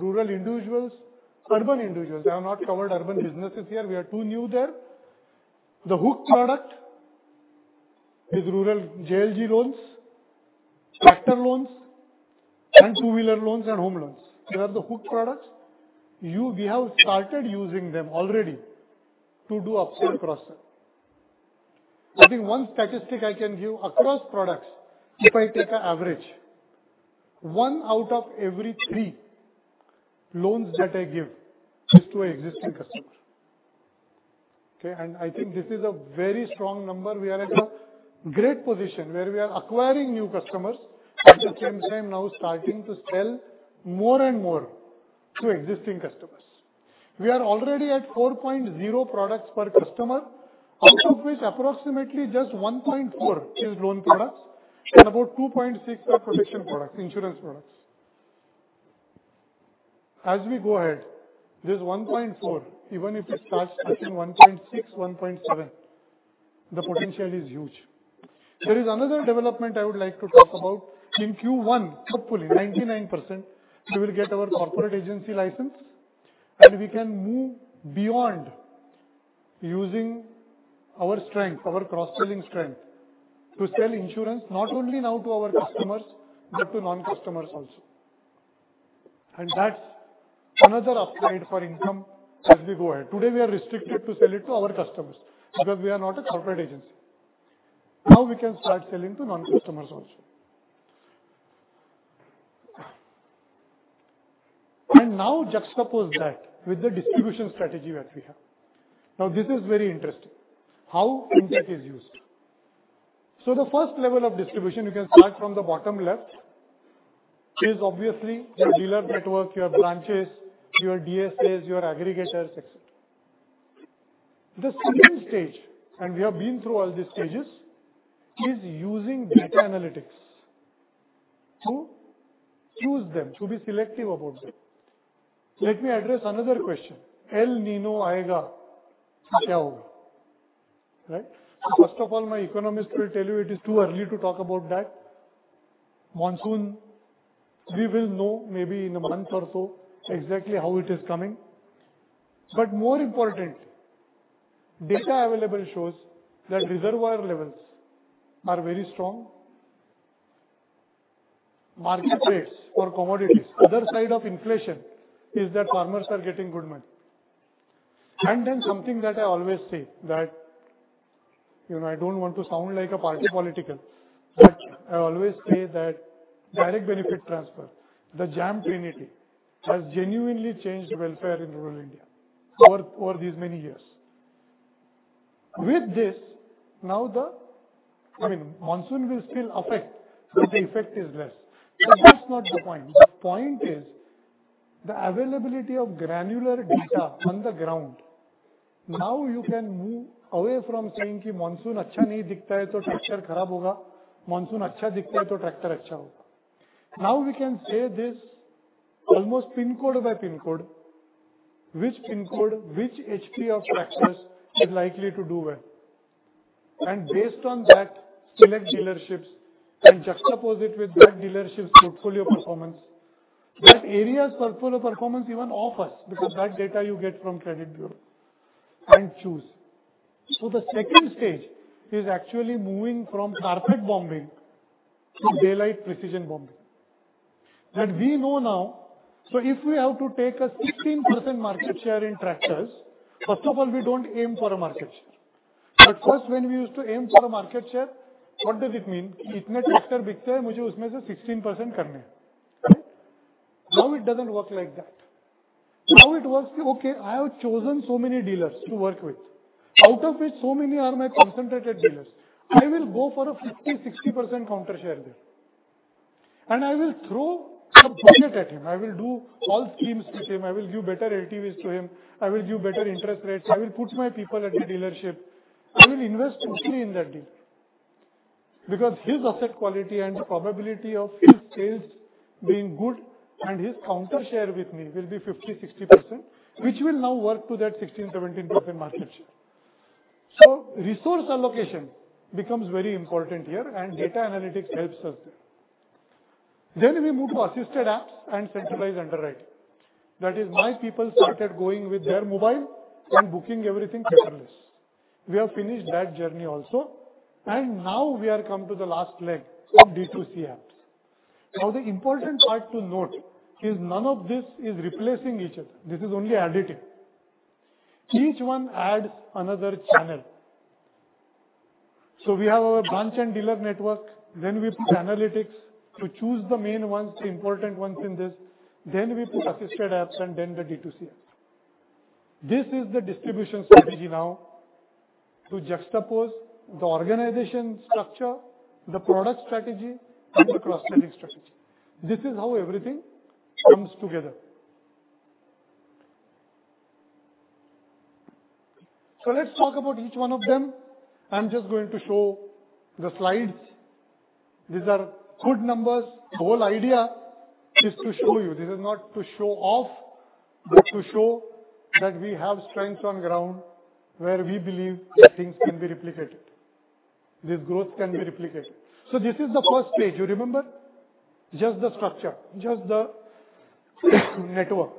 rural individuals, urban individuals. I have not covered urban businesses here. We are too new there. The hooked product is rural JLG loans, tractor loans, and two-wheeler loans and home loans. They are the hooked products. We have started using them already to do upsell, cross-sell. I think one statistic I can give across products, if I take a average, one out of every three loans that I give is to existing customer. Okay? I think this is a very strong number. We are at a great position where we are acquiring new customers, at the same time now starting to sell more and more to existing customers. We are already at 4.0 products per customer, out of which approximately just 1.4 is loan products and about 2.6 are protection products, insurance products. As we go ahead, this 1.4, even if it starts touching 1.6, 1.7, the potential is huge. There is another development I would like to talk about. In Q1, hopefully 99%, we will get our corporate agency license and we can move beyond using our strength, our cross-selling strength to sell insurance, not only now to our customers, but to non-customers also. That's another upside for income as we go ahead. Today, we are restricted to sell it to our customers because we are not a corporate agency. We can start selling to non-customers also. Juxtapose that with the distribution strategy that we have. This is very interesting how FinTech is used. The first level of distribution, you can start from the bottom left, is obviously your dealer network, your branches, your DSAs, your aggregators, etc. The second stage, and we have been through all these stages, is using data analytics to choose them, to be selective about them. Let me address another question. El Niño. Right. First of all, my economist will tell you it is too early to talk about that. Monsoon, we will know maybe in one month or so exactly how it is coming. More important data available shows that reservoir levels are very strong. Market rates for commodities. Other side of inflation is that farmers are getting good money. Something that I always say that, you know, I don't want to sound like a party political, but I always say that direct benefit transfer, the JAM Trinity, has genuinely changed welfare in rural India for these many years. With this now, I mean, monsoon will still affect, but the effect is less. That's not the point. The point is the availability of granular data on the ground. Now, you can move away from saying monsoon. We can say this almost pin code by pin code. Which pin code, which HP of tractors is likely to do well. Based on that, select dealerships and juxtapose it with that dealerships portfolio performance. That area's portfolio performance even offers, because that data you get from credit bureau and choose. The second stage is actually moving from carpet bombing to daylight precision bombing that we know now. If we have to take a 16% market share in tractors, first of all, we don't aim for a market share. First, when we used to aim for a market share, what does it mean? It doesn't work like that. It works, okay, I have chosen so many dealers to work with, out of which so many are my concentrated dealers. I will go for a 50%-60% counter share there. I will throw the budget at him. I will do all schemes with him. I will give better LTVs to him. I will give better interest rates. I will put my people at the dealership. I will invest fully in that deal because his asset quality and the probability of his sales being good and his counter share with me will be 50%-60%, which will now work to that 16%-17% market share. Resource allocation becomes very important here and data analytics helps us there. We move to assisted apps and centralized underwriting. That is my people started going with their mobile and booking everything paperless. We have finished that journey also, now we are come to the last leg of D2C apps. The important part to note is none of this is replacing each other. This is only additive. Each one adds another channel. We have our branch and dealer network. We put analytics to choose the main ones, the important ones in this. We put assisted apps and then the D2C apps. This is the distribution strategy now to juxtapose the organization structure, the product strategy and the cross-selling strategy. This is how everything comes together. Let's talk about each one of them. I'm just going to show the slides. These are good numbers. Whole idea is to show you this is not to show off, but to show that we have strength on ground where we believe that things can be replicated, this growth can be replicated. This is the first page, you remember? Just the structure, just the network.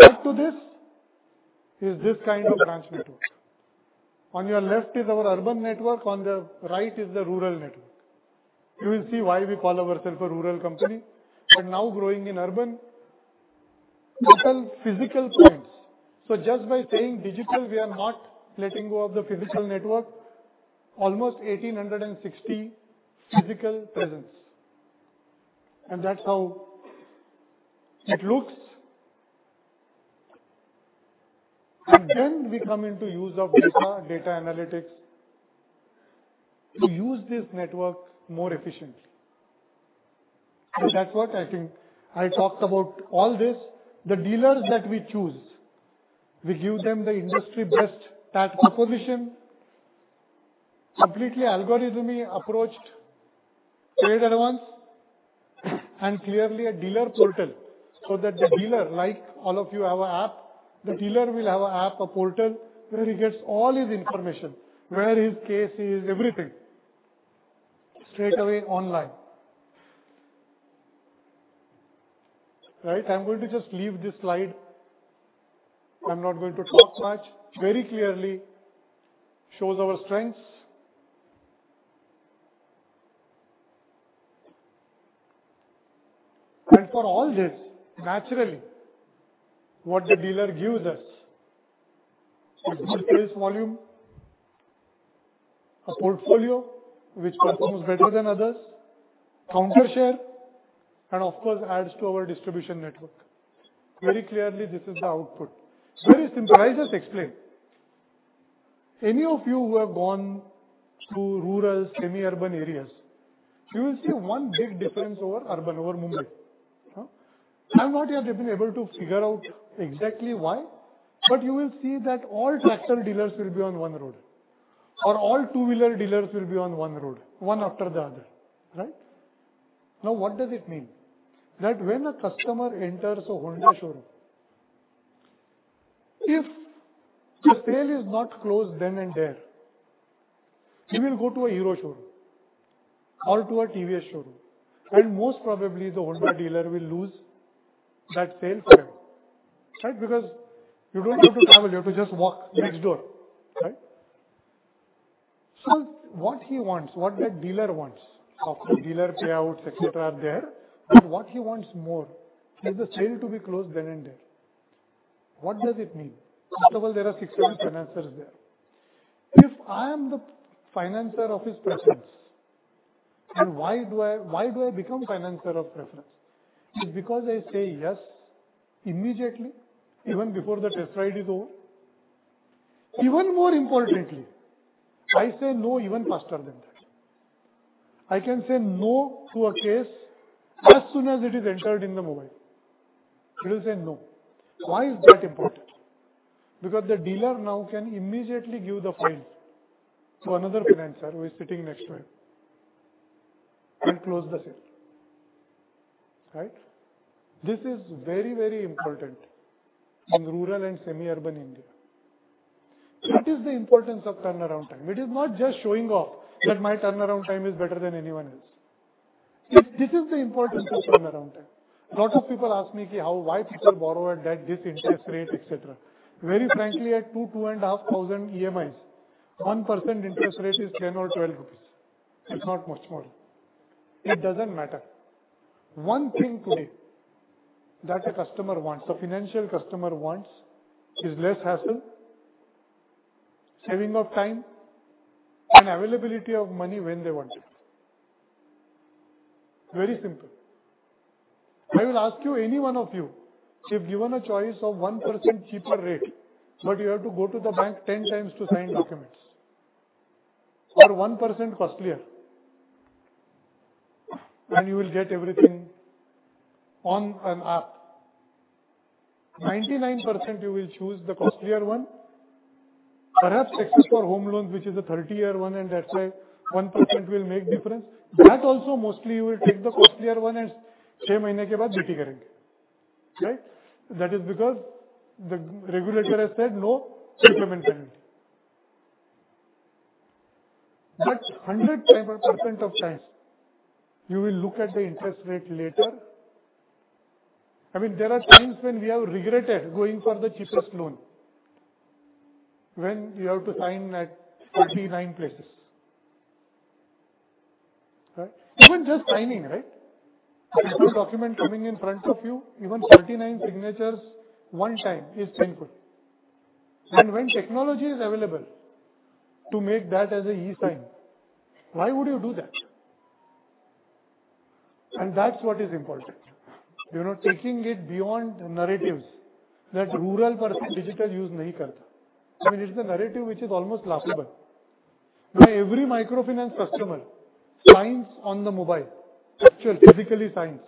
Right to this is this kind of branch network. On your left is our urban network. On the right is the rural network. You will see why we call ourselves a rural company. Now growing in urban. Total physical points. Just by saying digital, we are not letting go of the physical network. Almost 1,860 physical presence, and that's how it looks. We come into use of data analytics to use this network more efficiently. That's what I think I talked about all this. The dealers that we choose, we give them the industry best tax composition, completely algorithmically approached trade advance and clearly a dealer portal, so that the dealer, like all of you have a app, the dealer will have a app, a portal where he gets all his information, where his case is, everything straight away online. Right. I'm going to just leave this slide. I'm not going to talk much. Very clearly shows our strengths. For all this, naturally, what the dealer gives us is much sales volume, a portfolio which performs better than others, counter share, and of course adds to our distribution network. Very clearly, this is the output. Very simple. I just explained. Any of you who have gone to rural, semi-urban areas, you will see one big difference over urban, over Mumbai. Huh? I have not yet been able to figure out exactly why, but you will see that all tractor dealers will be on one road, or all two-wheeler dealers will be on one road, one after the other. Right? Now, what does it mean? When a customer enters a Honda showroom, if the sale is not closed then and there, he will go to a Hero showroom or to a TVS showroom, and most probably, the Honda dealer will lose that sale forever, right? You don't have to travel, you have to just walk next door, right? What he wants, what that dealer wants, of course, dealer payouts, et cetera, are there, but what he wants more is the sale to be closed then and there. What does it mean? First of all, there are 600 financers there. If I am the financer of his preference, and why do I, why do I become financer of preference? Is it because I say "Yes" immediately even before the test ride is over? Even more importantly, I say "No" even faster than that. I can say no to a case as soon as it is entered in the mobile. It will say, "No." Why is that important? The dealer now can immediately give the files to another financer who is sitting next to him and close the sale. Right? This is very, very important in rural and semi-urban India. That is the importance of turnaround time. It is not just showing off that my turnaround time is better than anyone else's. If this is the importance of turnaround time, lots of people ask me, "Why people borrow at that this interest rate, et cetera?" Very frankly, at 2,500 EMIs, 1% interest rate is 10 or 12 rupees. It's not much more. It doesn't matter. One thing today that a customer wants, a financial customer wants, is less hassle, saving of time, and availability of money when they want it. Very simple. I will ask you, any one of you, if given a choice of 1% cheaper rate, but you have to go to the bank 10 times to sign documents or 1% costlier, and you will get everything on an app, 99% you will choose the costlier one. Perhaps except for home loans, which is a 30-year one, and that's why 1% will make difference. That also mostly you will take the costlier one and seis mes que va deti queren. Right? That is because the regulator has said no prepayment penalty. Hundred times percent of times you will look at the interest rate later. I mean, there are times when we have regretted going for the cheapest loan when you have to sign at 39 places. Right? Even just signing, right? A full document coming in front of you, even 39 signatures one time is painful. When technology is available to make that as an eSign, why would you do that? That's what is important. You know, taking it beyond narratives that rural person digital use nahi karta. I mean, it's the narrative which is almost laughable. My every microfinance customer signs on the mobile. Actually, physically signs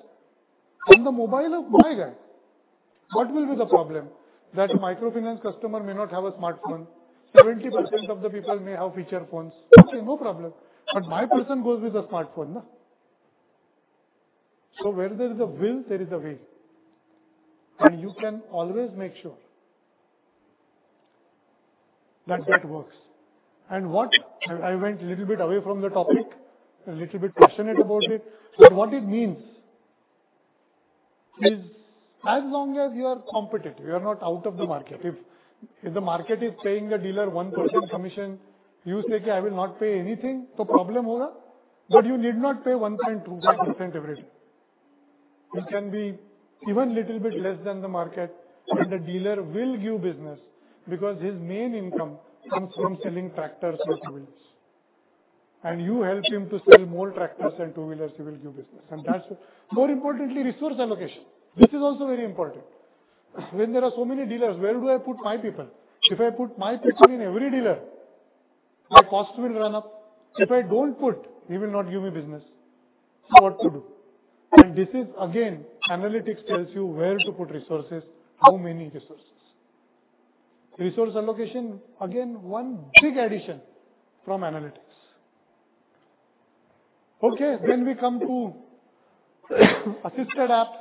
on the mobile of my guy. What will be the problem? That a microfinance customer may not have a smartphone. 70% of the people may have feature phones. Okay, no problem. My person goes with a smartphone, na? Where there is a will, there is a way, and you can always make sure that that works. What I went little bit away from the topic, a little bit passionate about it, but what it means is as long as you are competitive, you are not out of the market. If the market is paying the dealer 1% commission, you say, "I will not pay anything," to problem hora. You need not pay 1.25% every day. It can be even little bit less than the market, and the dealer will give business because his main income comes from selling tractors and two-wheelers. You help him to sell more tractors and two-wheelers, he will give business. That's. More importantly, resource allocation. This is also very important. When there are so many dealers, where do I put my people? If I put my people in every dealer, my cost will run up. If I don't put, he will not give me business. What to do? This is again, analytics tells you where to put resources, how many resources. Resource allocation, again, one big addition from analytics. Okay. We come to assisted apps.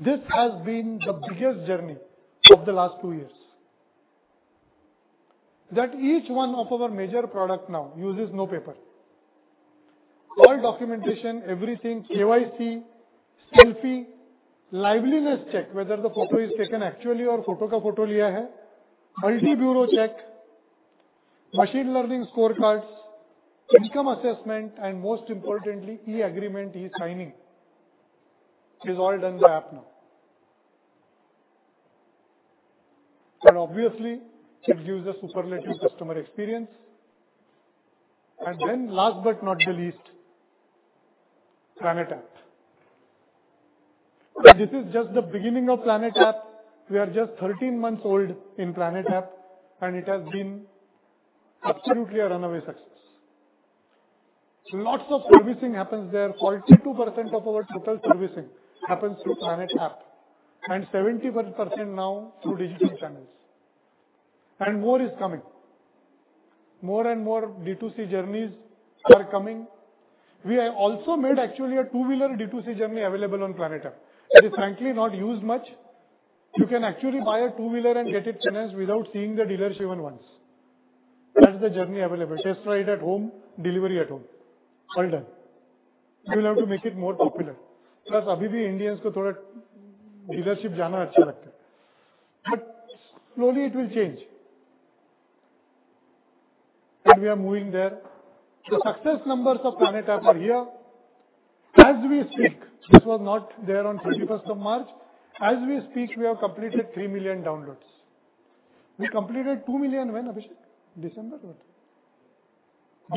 This has been the biggest journey of the last two years. Each one of our major product now uses no paper. All documentation, everything, KYC, selfie, liveliness check whether the photo is taken actually or photo का photo लिया है. Multi-bureau check, machine learning scorecards, income assessment, and most importantly, e-agreement, e-signing is all done by app now. Obviously it gives a superlative customer experience. Last but not the least, Planet App. This is just the beginning of Planet App. We are just 13 months old in PLANET App, and it has been absolutely a runaway success. Lots of servicing happens there. 42% of our total servicing happens through PLANET App and 70% now through digital channels. More is coming. More and more D2C journeys are coming. We have also made actually a two-wheeler D2C journey available on PLANET App. It is frankly not used much. You can actually buy a two-wheeler and get it financed without seeing the dealership even once. That's the journey available. Test ride at home, delivery at home. All done. We will have to make it more popular. Plus अभी भी Indians को थोड़ा dealership जाना अच्छा लगता है। Slowly it will change. We are moving there. The success numbers of PLANET App are here. As we speak, this was not there on 31st of March. As we speak, we have completed three million downloads. We completed two million when, Abhishek? December or what?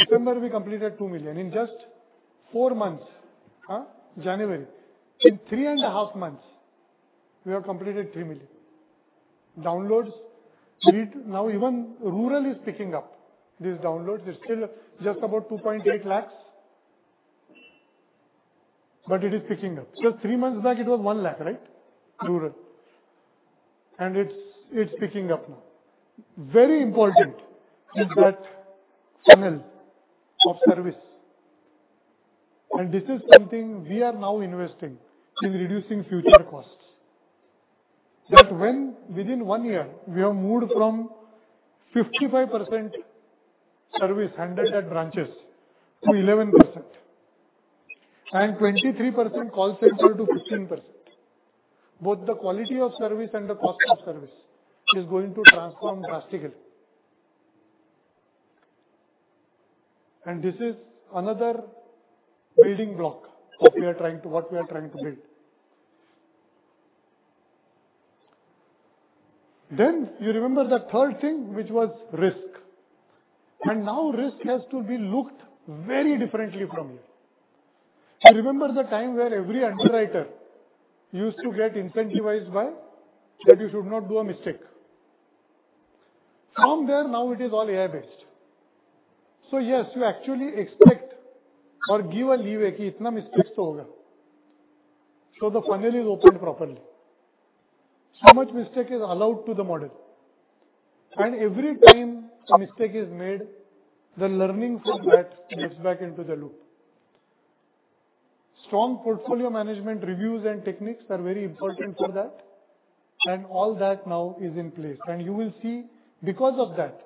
December we completed two million. In just four months, huh? January. In 3.5 months, we have completed three million. Downloads read now even rural is picking up these downloads. It's still just about 2.8 lakh, but it is picking up. Just three months back it was one lakh, right? Rural. It's, it's picking up now. Very important is that channel of service and this is something we are now investing in reducing future costs. That when within two year we have moved from 55% service handled at branches to 11% and 23% call center to 15%. Both the quality of service and the cost of service is going to transform drastically. This is another building block of what we are trying to build. You remember the third thing, which was risk. Now risk has to be looked very differently from here. You remember the time where every underwriter used to get incentivized by that you should not do a mistake. From there now it is all AI-based. Yes, you actually expect or give a leeway की इतना mistakes तो होगा. The funnel is opened properly. So much mistake is allowed to the model and every time a mistake is made, the learning from that gets back into the loop. Strong portfolio management reviews and techniques are very important for that. All that now is in place. You will see because of that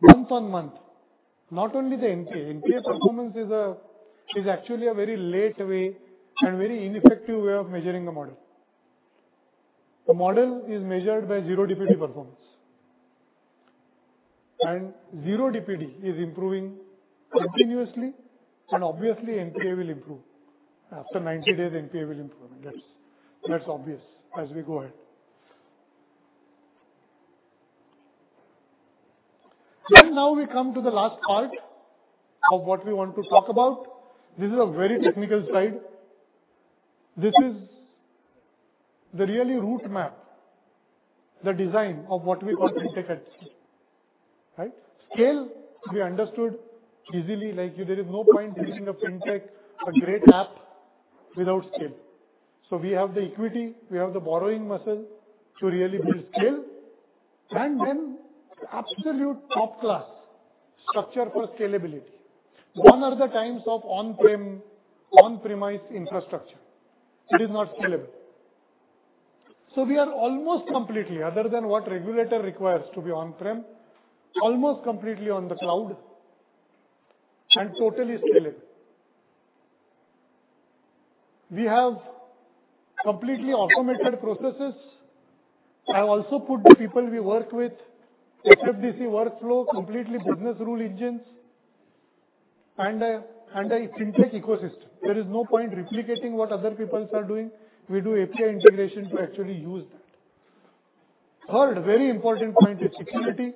month on month, not only the NPA. NPA performance is actually a very late way and very ineffective way of measuring the model. The model is measured by 0 DPD performance and 0 DPD is improving continuously and obviously NPA will improve. After 90 days NPA will improve. That's obvious as we go ahead. Now we come to the last part of what we want to talk about. This is a very technical slide. This is the really roadmap, the design of what we call Fintech at scale, right? Scale we understood easily. Like there is no point building a Fintech, a great app without scale. We have the equity, we have the borrowing muscle to really build scale and then absolute top-class structure for scalability. Gone are the times of on-prem, on-premise infrastructure. It is not scalable. We are almost completely, other than what regulator requires to be on-prem, almost completely on the cloud and totally scalable. We have completely automated processes. I have also put the people we work with, FDDC workflow, completely business rule engines and a Fintech ecosystem. There is no point replicating what other people are doing. We do API integration to actually use that. Third very important point is security,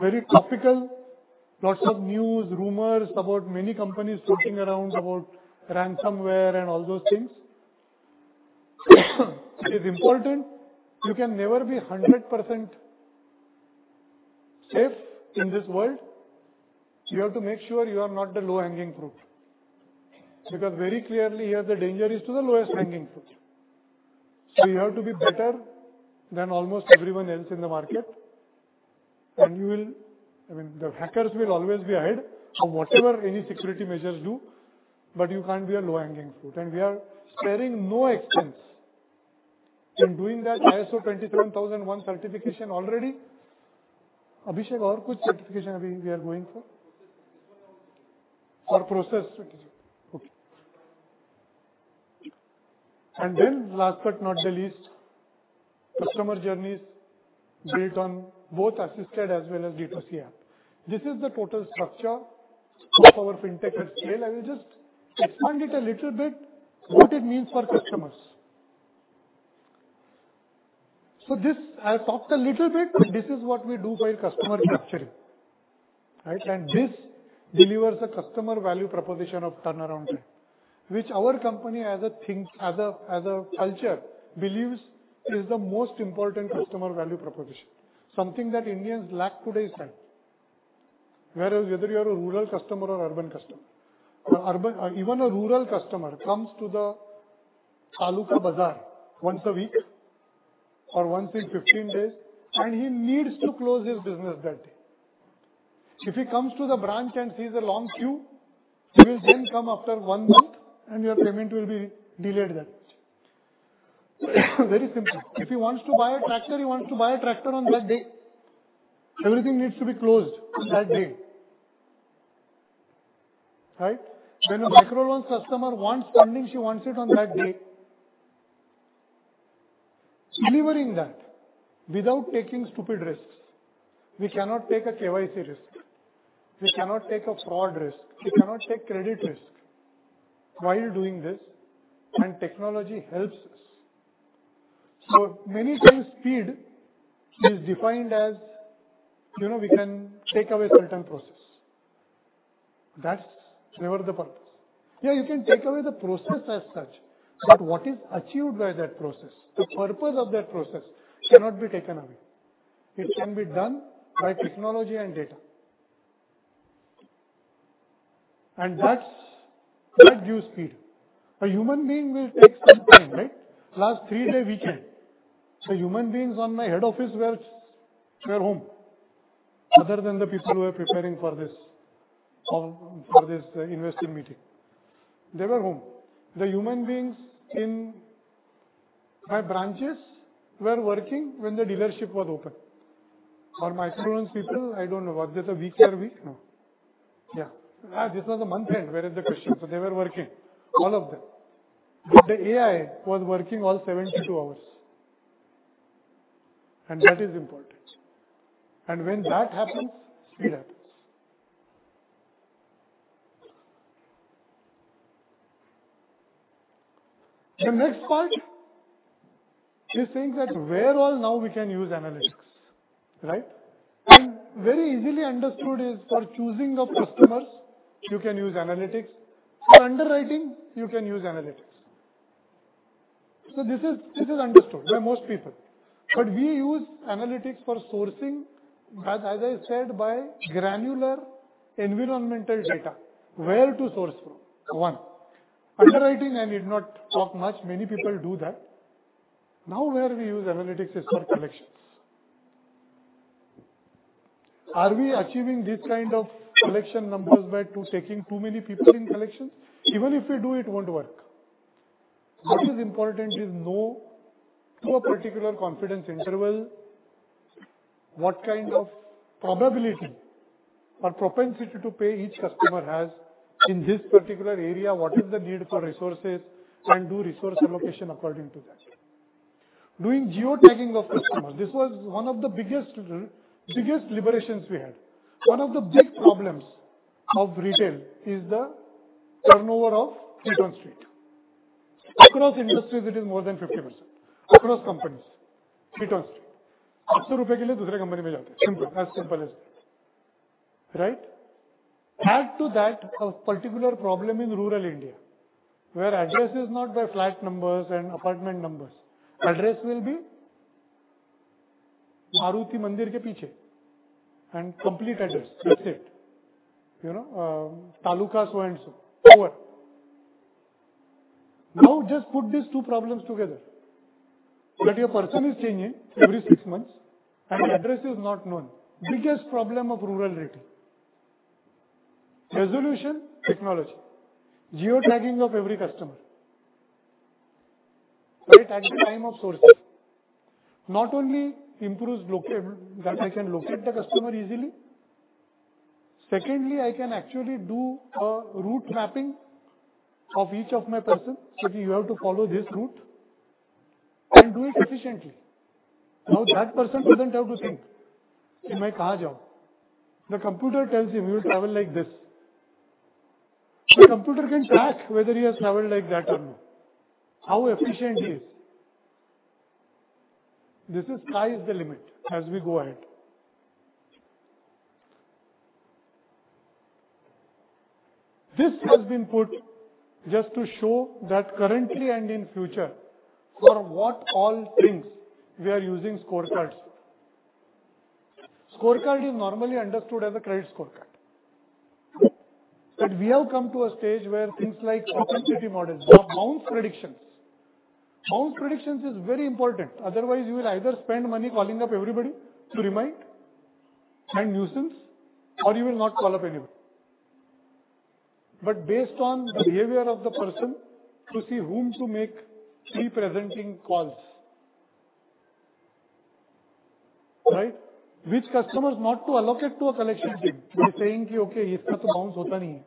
very topical. Lots of news, rumors about many companies floating around about ransomware and all those things. It is important. You can never be 100% safe in this world. You have to make sure you are not the low-hanging fruit, because very clearly here the danger is to the lowest hanging fruit. You have to be better than almost everyone else in the market. You will. I mean, the hackers will always be ahead of whatever any security measures do, but you can't be a low-hanging fruit. We are sparing no expense in doing that ISO 23001 certification already. Abhishek, or kuch certification we are going for? Process For process. Okay. Last but not the least, customer journeys built on both assisted as well as data CI. This is the total structure of our fintech at scale. I will just expand it a little bit, what it means for customers. This I have talked a little bit, but this is what we do while customer capturing, right? This delivers a customer value proposition of turnaround time, which our company as a thing, as a culture believes is the most important customer value proposition. Something that Indians lack today is time. Whereas whether you are a rural customer or urban customer. Urban or even a rural customer comes to the taluka bazaar once a week or once in 15 days, and he needs to close his business that day. If he comes to the branch and sees a long queue, he will then come after one month and your payment will be delayed that much. Very simple. If he wants to buy a tractor, he wants to buy a tractor on that day. Everything needs to be closed that day. Right? When a Micro Loans customer wants funding, she wants it on that day. Delivering that without taking stupid risks. We cannot take a KYC risk. We cannot take a fraud risk. We cannot take credit risk while doing this. Technology helps us. Many times speed is defined as, you know, we can take away certain process. That's never the purpose. Yeah, you can take away the process as such, but what is achieved by that process, the purpose of that process cannot be taken away. It can be done by technology and data. That's what gives speed. A human being will take some time, right? Last 3-day weekend. Human beings on my head office were home. Other than the people who are preparing for this, for this investing meeting, they were home. The human beings in my branches were working when the dealership was open. For my school's people, I don't know. Was it a week or week? No. Yeah. This was a month end. Where is the question? They were working, all of them. The AI was working all 72 hours, and that is important. When that happens, speed happens. The next part is saying that where all now we can use analytics, right? Very easily understood is for choosing of customers, you can use analytics. For underwriting, you can use analytics. This is understood by most people. We use analytics for sourcing, as I said, by granular environmental data where to source from. One. Underwriting I need not talk much. Many people do that. Where we use analytics is for collections. Are we achieving these kind of collection numbers by taking too many people in collections? Even if we do, it won't work. What is important is know to a particular confidence interval what kind of probability or propensity to pay each customer has in this particular area, what is the need for resources, and do resource allocation according to that. Doing geotagging of customers, this was one of the biggest liberations we had. One of the big problems of retail is the turnover of street on street. Across industries it is more than 50%. Across companies, street on street. INR 100 rupaye ke liye dusre company mein jaate hai. Simple. As simple as that, right? Add to that a particular problem in rural India, where address is not by flat numbers and apartment numbers. Address will be Maruti Mandir ke peeche and complete address. That's it. You know, taluka so and so. Over. Just put these two problems together. That your person is changing every six months and address is not known. Biggest problem of rural retail. Resolution technology, geotagging of every customer right at the time of sourcing not only improves that I can locate the customer easily. Secondly, I can actually do a route mapping of each of my person. That you have to follow this route and do it efficiently. That person doesn't have to think ki main kahan jaun. The computer tells him, "You will travel like this." The computer can track whether he has traveled like that or no, how efficient he is. This is sky is the limit as we go ahead. This has been put just to show that currently and in future, for what all things we are using scorecards. Scorecard is normally understood as a credit scorecard. We have come to a stage where things like authenticity models or bounce predictions. Bounce predictions is very important, otherwise you will either spend money calling up everybody to remind and nuisance or you will not call up anybody. But based on the behavior of the person to see whom to make pre-presenting calls. Right. Which customers not to allocate to a collection team by saying, "Okay, ienia ko bounce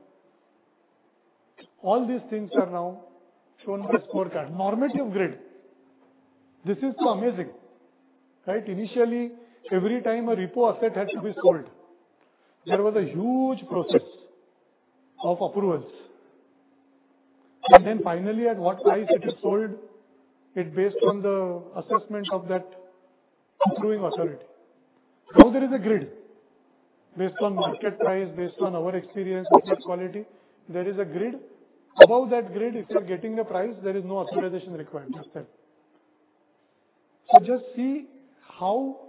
hota nahi hai." All these things are now shown in the scorecard. Normative grid. This is so amazing, right? Initially, every time a repo asset had to be sold, there was a huge process of approvals. Finally, at what price it is sold is based on the assessment of that approving authority. Now there is a grid based on market price, based on our experience of that quality, there is a grid. Above that grid, if you are getting a price, there is no authorization required yourself. Just see how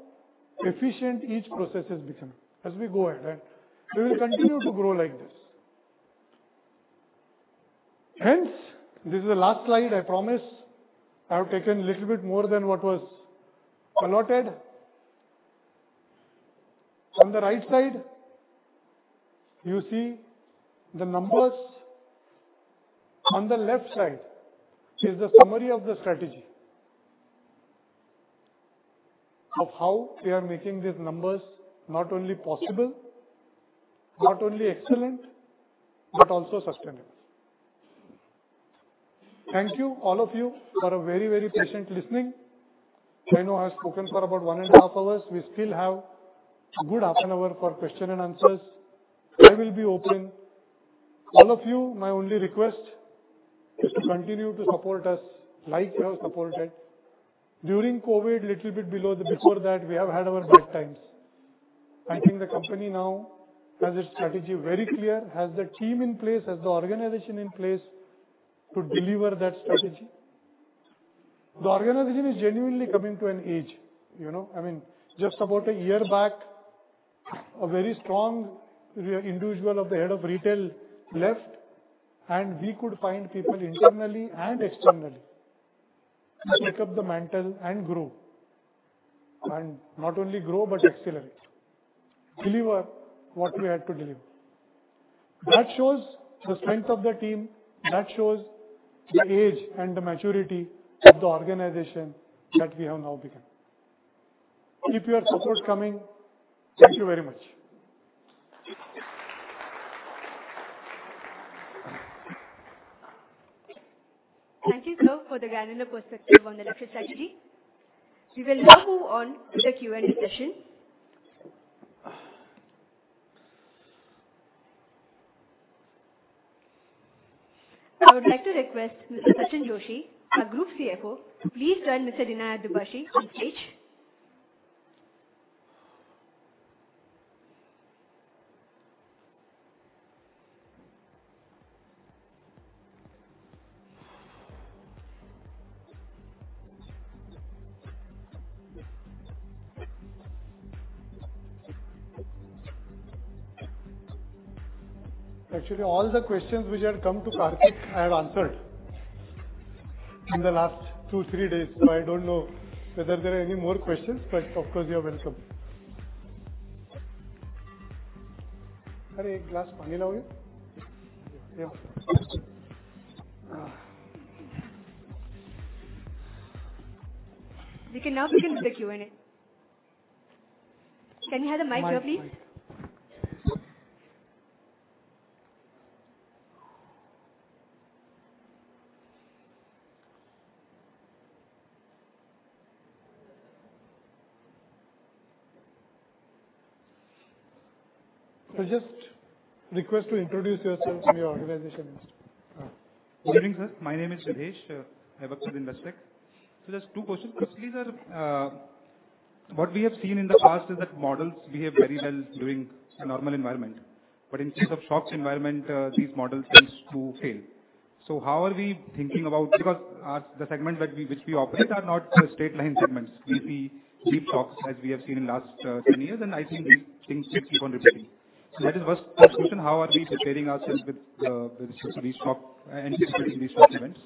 efficient each process has become as we go ahead, and we will continue to grow like this. Hence, this is the last slide, I promise. I have taken a little bit more than what was allotted. On the right side, you see the numbers. On the left side is the summary of the strategy of how we are making these numbers not only possible, not only excellent, but also sustainable. Thank you all of you for a very, very patient listening. I know I have spoken for about one and a half hours. We still have a good half an hour for question and answers. I will be open. All of you, my only request is to continue to support us like you have supported during COVID, little bit below. Before that, we have had our bad times. I think the company now has its strategy very clear, has the team in place, has the organization in place to deliver that strategy. The organization is genuinely coming to an age, you know. I mean, just about a year back, a very strong individual of the head of retail left. We could find people internally and externally to take up the mantle and grow. Not only grow, but accelerate, deliver what we had to deliver. That shows the strength of the team. That shows the age and the maturity of the organization that we have now become. Keep your support coming. Thank you very much. Thank you, sir, for the granular perspective on the latest strategy. We will now move on to the Q&A session. I would like to request Mr. Sachinn Joshi, our Group CFO, please join Mr. Dinanath Dubhashi on stage. Actually, all the questions which had come to Karthik, I have answered in the last two, three days, so I don't know whether there are any more questions, but of course, you are welcome. Are ek glass pani laoge? Yeah. We can now begin with the Q&A. Can we have the mic, please? Just request to introduce yourself and your organization. Good evening, Sir. My name is Rakesh. I work with Investec. Just two questions. Firstly, Sir, what we have seen in the past is that models behave very well during a normal environment, but in case of shocks environment, these models tends to fail. How are we thinking about... Because, the segment which we operate are not straight line segments. We see deep shocks as we have seen in last 10 years, and I think these things should keep on repeating. That is first question, how are we preparing ourselves with these shock, anticipating these shock events?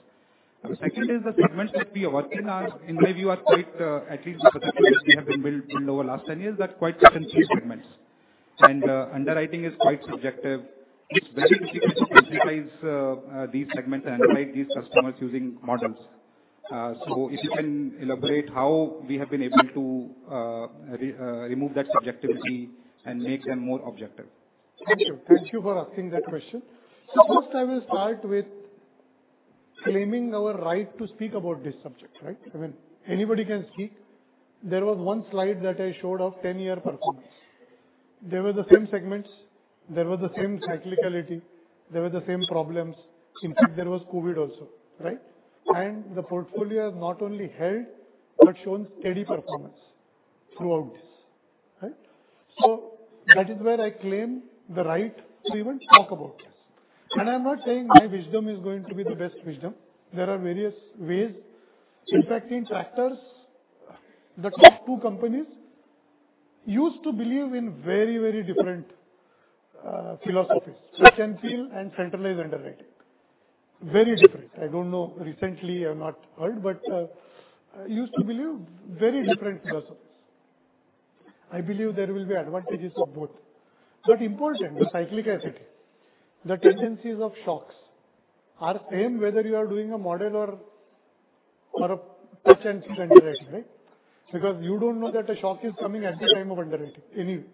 Second is the segments that we are working are, in my view, are quite, at least the portfolio which we have been built in over last 10 years, are quite sensitive segments and, underwriting is quite subjective. It's very difficult to quantitize these segments and underwrite these customers using models. If you can elaborate how we have been able to remove that subjectivity and make them more objective. Thank you. Thank you for asking that question. First I will start with claiming our right to speak about this subject, right? I mean, anybody can speak. There was one slide that I showed of 10-year performance. They were the same segments, there were the same cyclicality, there were the same problems. In fact, there was COVID also, right? The portfolio has not only held but shown steady performance throughout this, right? That is where I claim the right to even talk about this. I'm not saying my wisdom is going to be the best wisdom. There are various ways. In fact, in factors, the top two companies used to believe in very, very different philosophies. Central feel and centralized underwriting. Very different. I don't know. Recently I've not heard, but used to believe very different philosophies. I believe there will be advantages of both. Important, the cyclic asset, the tendencies of shocks are same whether you are doing a model or a touch and feel underwriting, right? Because you don't know that a shock is coming at the time of underwriting anyway.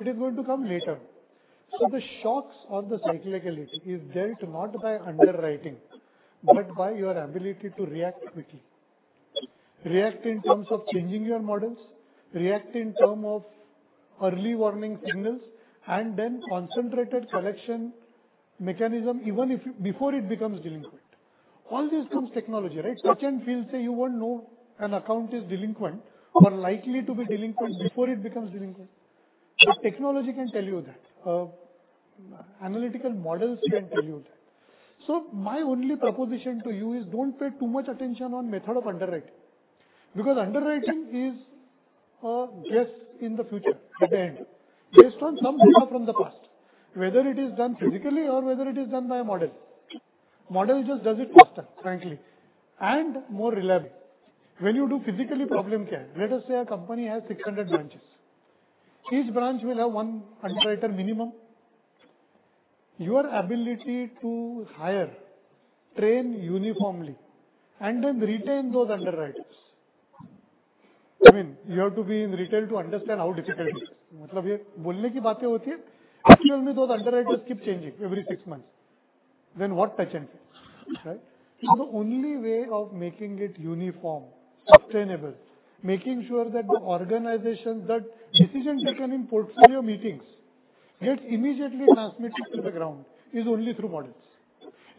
It is going to come later. The shocks or the cyclicality is dealt not by underwriting, but by your ability to react quickly. React in term of early warning signals, and then concentrated collection mechanism, even if, before it becomes delinquent. All this comes technology, right? Touch and feel say you won't know an account is delinquent or likely to be delinquent before it becomes delinquent. Technology can tell you that. Analytical models can tell you that. My only proposition to you is don't pay too much attention on method of underwriting, because underwriting is a guess in the future at the end, based on some data from the past, whether it is done physically or whether it is done by a model. Model just does it faster, frankly, and more reliably. When you do physically, problem can. Let us say a company has 600 branches. Each branch will have one underwriter minimum. Your ability to hire, train uniformly, and then retain those underwriters. I mean, you have to be in retail to understand how difficult it is. Matlab yeh bolne ki batein hoti hai. Actually, those underwriters keep changing every six months. What touch and feel, right? The only way of making it uniform, sustainable, making sure that the organization, that decisions are taken in portfolio meetings, gets immediately transmitted to the ground is only through models.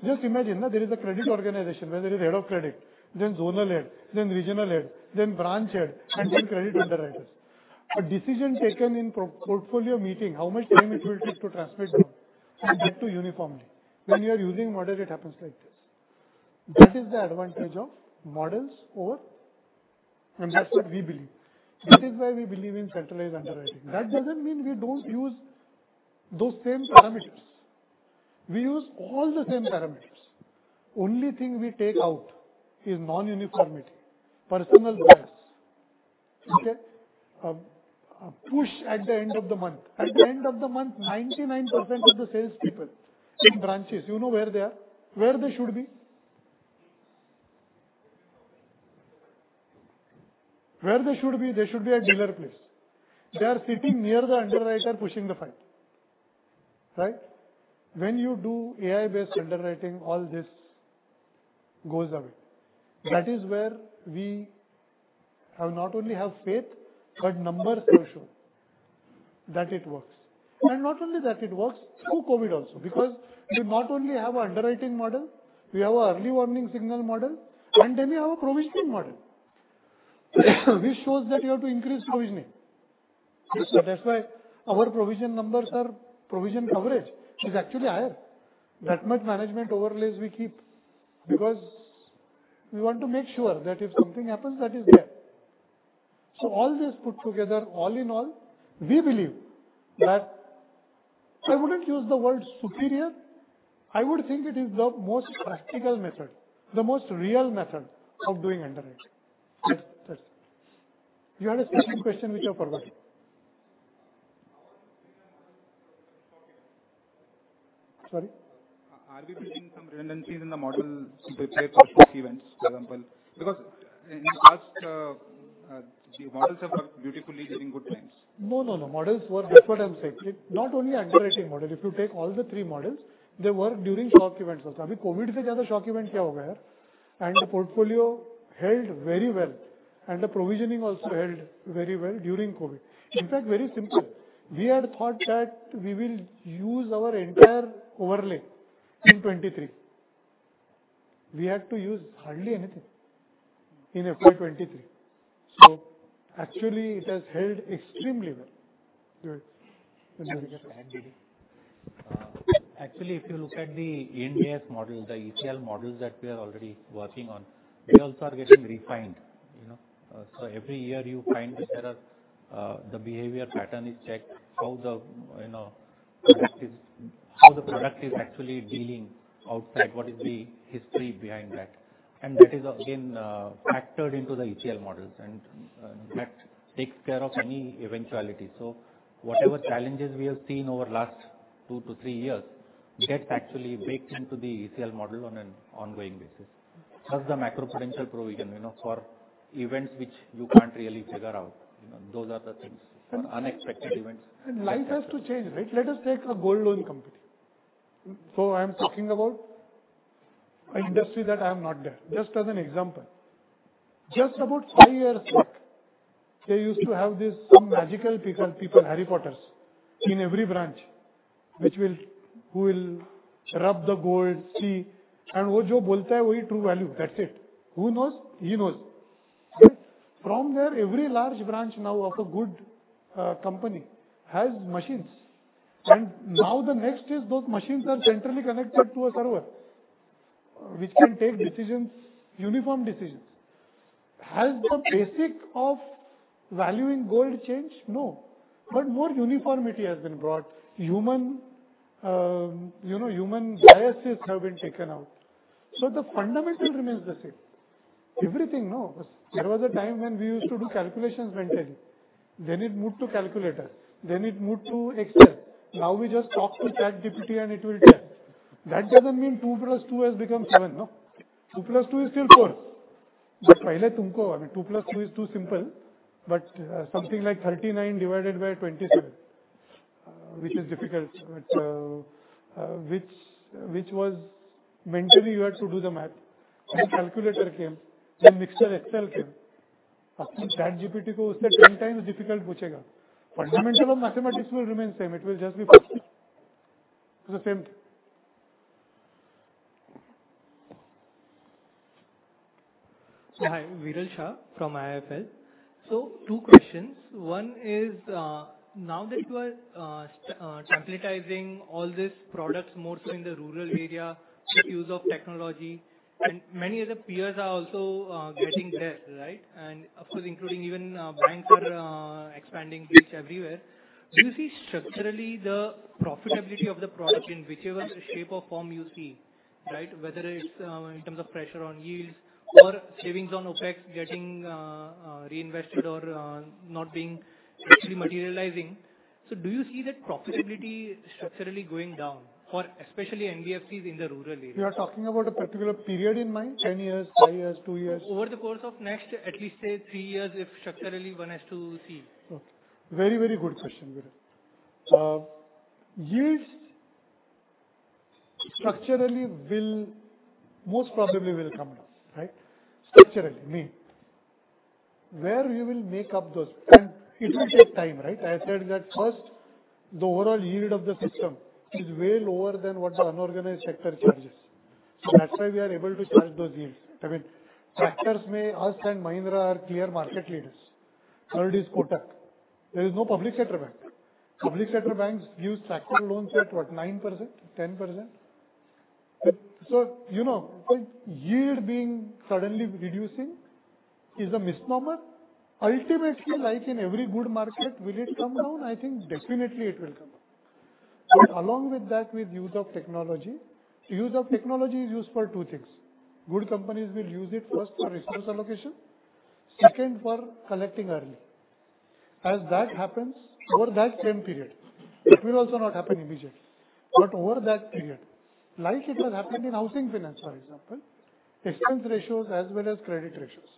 Just imagine, na, there is a credit organization where there is head of credit, then zonal head, then regional head, then branch head, and then credit underwriters. A decision taken in portfolio meeting, how much time it will take to transmit down and get to uniformly? When you are using model, it happens like this. That is the advantage of models over, and that's what we believe. That is why we believe in centralized underwriting. That doesn't mean we don't use those same parameters. We use all the same parameters. Only thing we take out is non-uniformity, personal bias. Okay? A push at the end of the month. At the end of the month, 99% of the sales people in branches, you know where they are? Where they should be? They should be at dinner place. They are sitting near the underwriter pushing the file, right? When you do AI-based underwriting, all this goes away. That is where we have not only have faith, but numbers also show that it works. Not only that it works through COVID also, because we not only have a underwriting model, we have a early warning signal model, and then we have a provisioning model, which shows that you have to increase provisioning. That's why our provision numbers are, provision coverage is actually higher. That much management overlays we keep because we want to make sure that if something happens, that is there. All this put together, all in all, we believe that I wouldn't use the word superior. I would think it is the most practical method, the most real method of doing underwriting. That's. You had a second question which you have forgotten. Are we bringing some redundancies in the model to prepare for shock events, for example? In the past, the models have worked beautifully during good times. No, no. Models were, that's what I'm saying. Not only underwriting model, if you take all the three models, they work during shock events also. Abhi COVID se zyada shock event kya hoga yaar? The portfolio held very well, and the provisioning also held very well during COVID. In fact, very simple. We had thought that we will use our entire overlay in 2023. We had to use hardly anything in April 2023. Actually it has held extremely well. Good. Thank you. Actually, if you look at the NBS model, the ETL models that we are already working on, they also are getting refined, you know. Every year you find the error, the behavior pattern is checked, how the product is actually dealing outside, what is the history behind that. That is again, factored into the ETL models that takes care of any eventuality. Whatever challenges we have seen over last two to three years, gets actually baked into the ETL model on an ongoing basis. Plus the macroprudential provision, you know, for events which you can't really figure out. You know, those are the things for unexpected events. Life has to change, right? Let us take a gold loan company. I am talking about an industry that I am not there. Just as an example. Just about five years back, they used to have this some magical pickle people, Harry Potters in every branch, which will, who will rub the gold, see, and woh jo bolta hai wahi true value. That's it. Who knows? He knows. From there, every large branch now of a good company has machines. Now the next is those machines are centrally connected to a server, which can take decisions, uniform decisions. Has the basic of valuing gold changed? No. More uniformity has been brought. Human, you know, human biases have been taken out. The fundamental remains the same. Everything, no. There was a time when we used to do calculations mentally. It moved to calculator, it moved to Excel. We just talk to ChatGPT, and it will tell. That doesn't mean two plus two has become seven, no. two plus two is still four. I mean, two plus two is too simple. Something like 39 divided by 27, which is difficult. Which was mentally you had to do the math. Calculator came, mixture Excel came. Ask ChatGPT, 10 times difficult. Fundamental of mathematics will remain same. It will just be the same. Hi. Viral Shah from IIFL. two questions. One is, now that you are templatizing all these products more so in the rural area with use of technology and many other peers are also getting there, right? Of course, including even banks are expanding reach everywhere. Do you see structurally the profitability of the product in whichever shape or form you see, right? Whether it's in terms of pressure on yields or savings on OpEx getting reinvested or not being actually materializing, do you see that profitability structurally going down for especially NBFCs in the rural areas? You are talking about a particular period in mind, 10 years, five years, two years? Over the course of next, at least say three years, if structurally one has to see. Okay. Very, very good question, Viral. Yields structurally will most probably will come down, right? Structurally, I mean. Where we will make up those, and it will take time, right? I said that first the overall yield of the system is way lower than what the unorganized sector charges. That's why we are able to charge those yields. I mean, tractors may us and Mahindra are clear market leaders. Third is Kotak. There is no public sector bank. Public sector banks give tractor loans at what, 9%, 10%. You know, yield being suddenly reducing is a misnomer. Ultimately, like in every good market, will it come down? I think definitely it will come down. Along with that, with use of technology. Use of technology is used for two things. Good companies will use it first for resource allocation, second for collecting early. As that happens over that same period, it will also not happen immediately. Over that period, like it has happened in housing finance, for example, expense ratios as well as credit ratios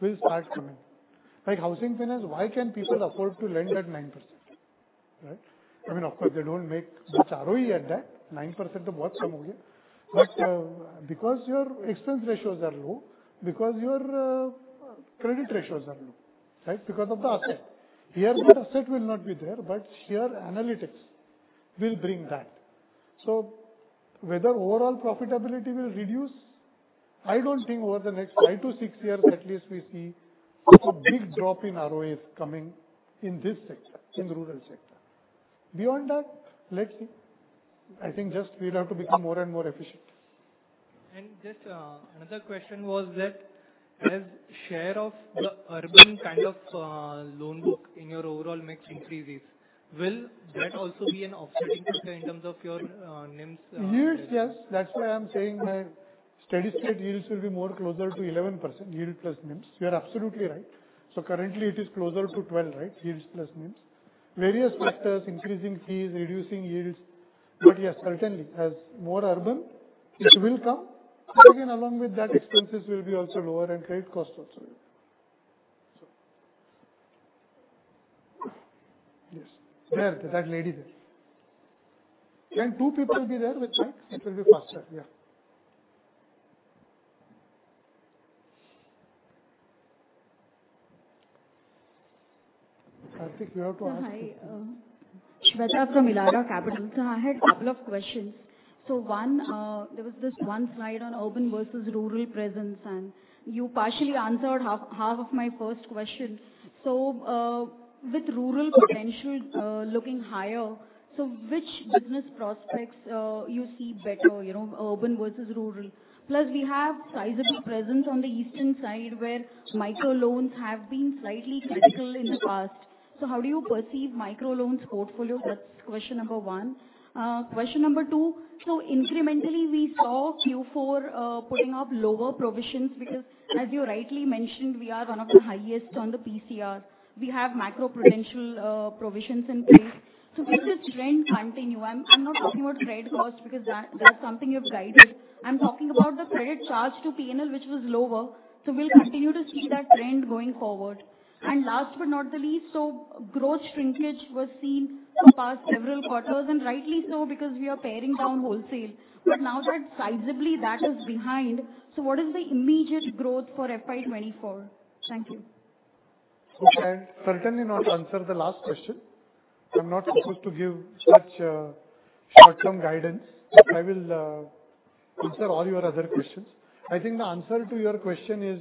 will start coming. Like housing finance, why can people afford to lend at 9%, right? I mean, of course they don't make the ROE at that. 9%. Because your expense ratios are low, because your credit ratios are low, right? Because of the asset. Here the asset will not be there, but here analytics will bring that. Whether overall profitability will reduce, I don't think over the next 5-6 years at least we see a big drop in ROAs coming in this sector, in the rural sector. Beyond that, let's see. I think just we'd have to become more and more efficient. Just another question was that as share of the urban kind of loan book in your overall mix increases, will that also be an offsetting factor in terms of your NIMs? Yields, yes. That's why I'm saying that steady state yields will be more closer to 11%, yield plus NIMs. You're absolutely right. Currently it is closer to 12, right? Yields plus NIMs. Various factors, increasing fees, reducing yields. Yes, certainly as more urban, it will come. Again, along with that, expenses will be also lower and credit costs also. Yes. There. That lady there. When two people will be there with mic, it will be faster. Yeah. I think you have to ask. Hi. Shweta from Elara Capital. Sir, I had couple of questions. One, there was this one slide on urban versus rural presence, and you partially answered half of my first question. With rural potential looking higher, which business prospects you see better, you know, urban versus rural? Plus, we have sizable presence on the eastern side, where Micro Loans have been slightly critical in the past. How do you perceive Micro Loans portfolio? That's question number one. Question number two. Incrementally, we saw Q4 putting up lower provisions because as you rightly mentioned, we are one of the highest on the PCR. We have macro prudential provisions in place. Will this trend continue? I'm not talking about credit cost because that's something you've guided. I'm talking about the credit charge to P&L which was lower. Will we continue to see that trend going forward? Last but not the least, growth shrinkage was seen for past several quarters, and rightly so, because we are paring down wholesale. Now that sizably that is behind, what is the immediate growth for FY 2024? Thank you. Okay. I'll certainly not answer the last question. I'm not supposed to give such short-term guidance. I will answer all your other questions. I think the answer to your question is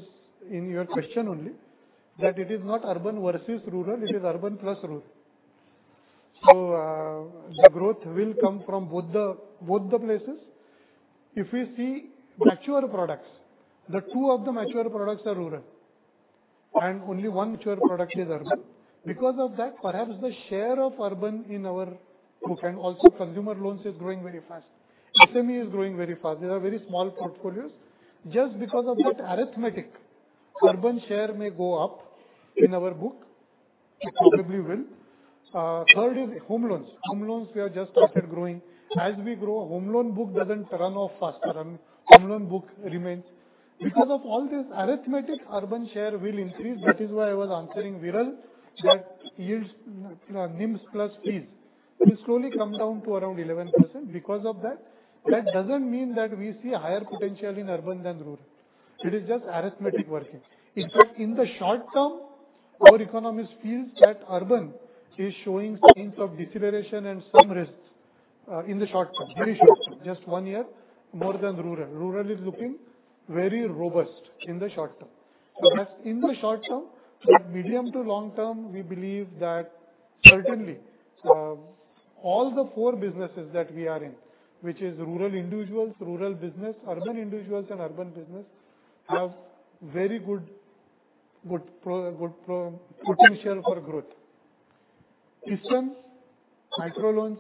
in your question only, that it is not urban versus rural, it is urban plus rural. The growth will come from both the places. If we see mature products, the two of the mature products are rural. Only one mature product is urban. Because of that, perhaps the share of urban in our book and also Consumer Loans is growing very fast. SME is growing very fast. They are very small portfolios. Just because of that arithmetic, urban share may go up in our book. It probably will. Third is Home Loans. Home Loans we have just started growing. As we grow, home loan book doesn't run off faster and home loan book remains. Of all this arithmetic, urban share will increase. That is why I was answering Viral that yields, NIMS plus fees will slowly come down to around 11% because of that. Doesn't mean that we see higher potential in urban than rural. It is just arithmetic working. In the short-term, our economist feels that urban is showing signs of deceleration and some risks in the short-term, very short-term, just one year more than rural. Rural is looking very robust in the short-term. That's in the short-term, medium to long-term, we believe that certainly, all the four businesses that we are in, which is rural individuals, rural business, urban individuals and urban business, have very good potential for growth. Eastern Micro Loans.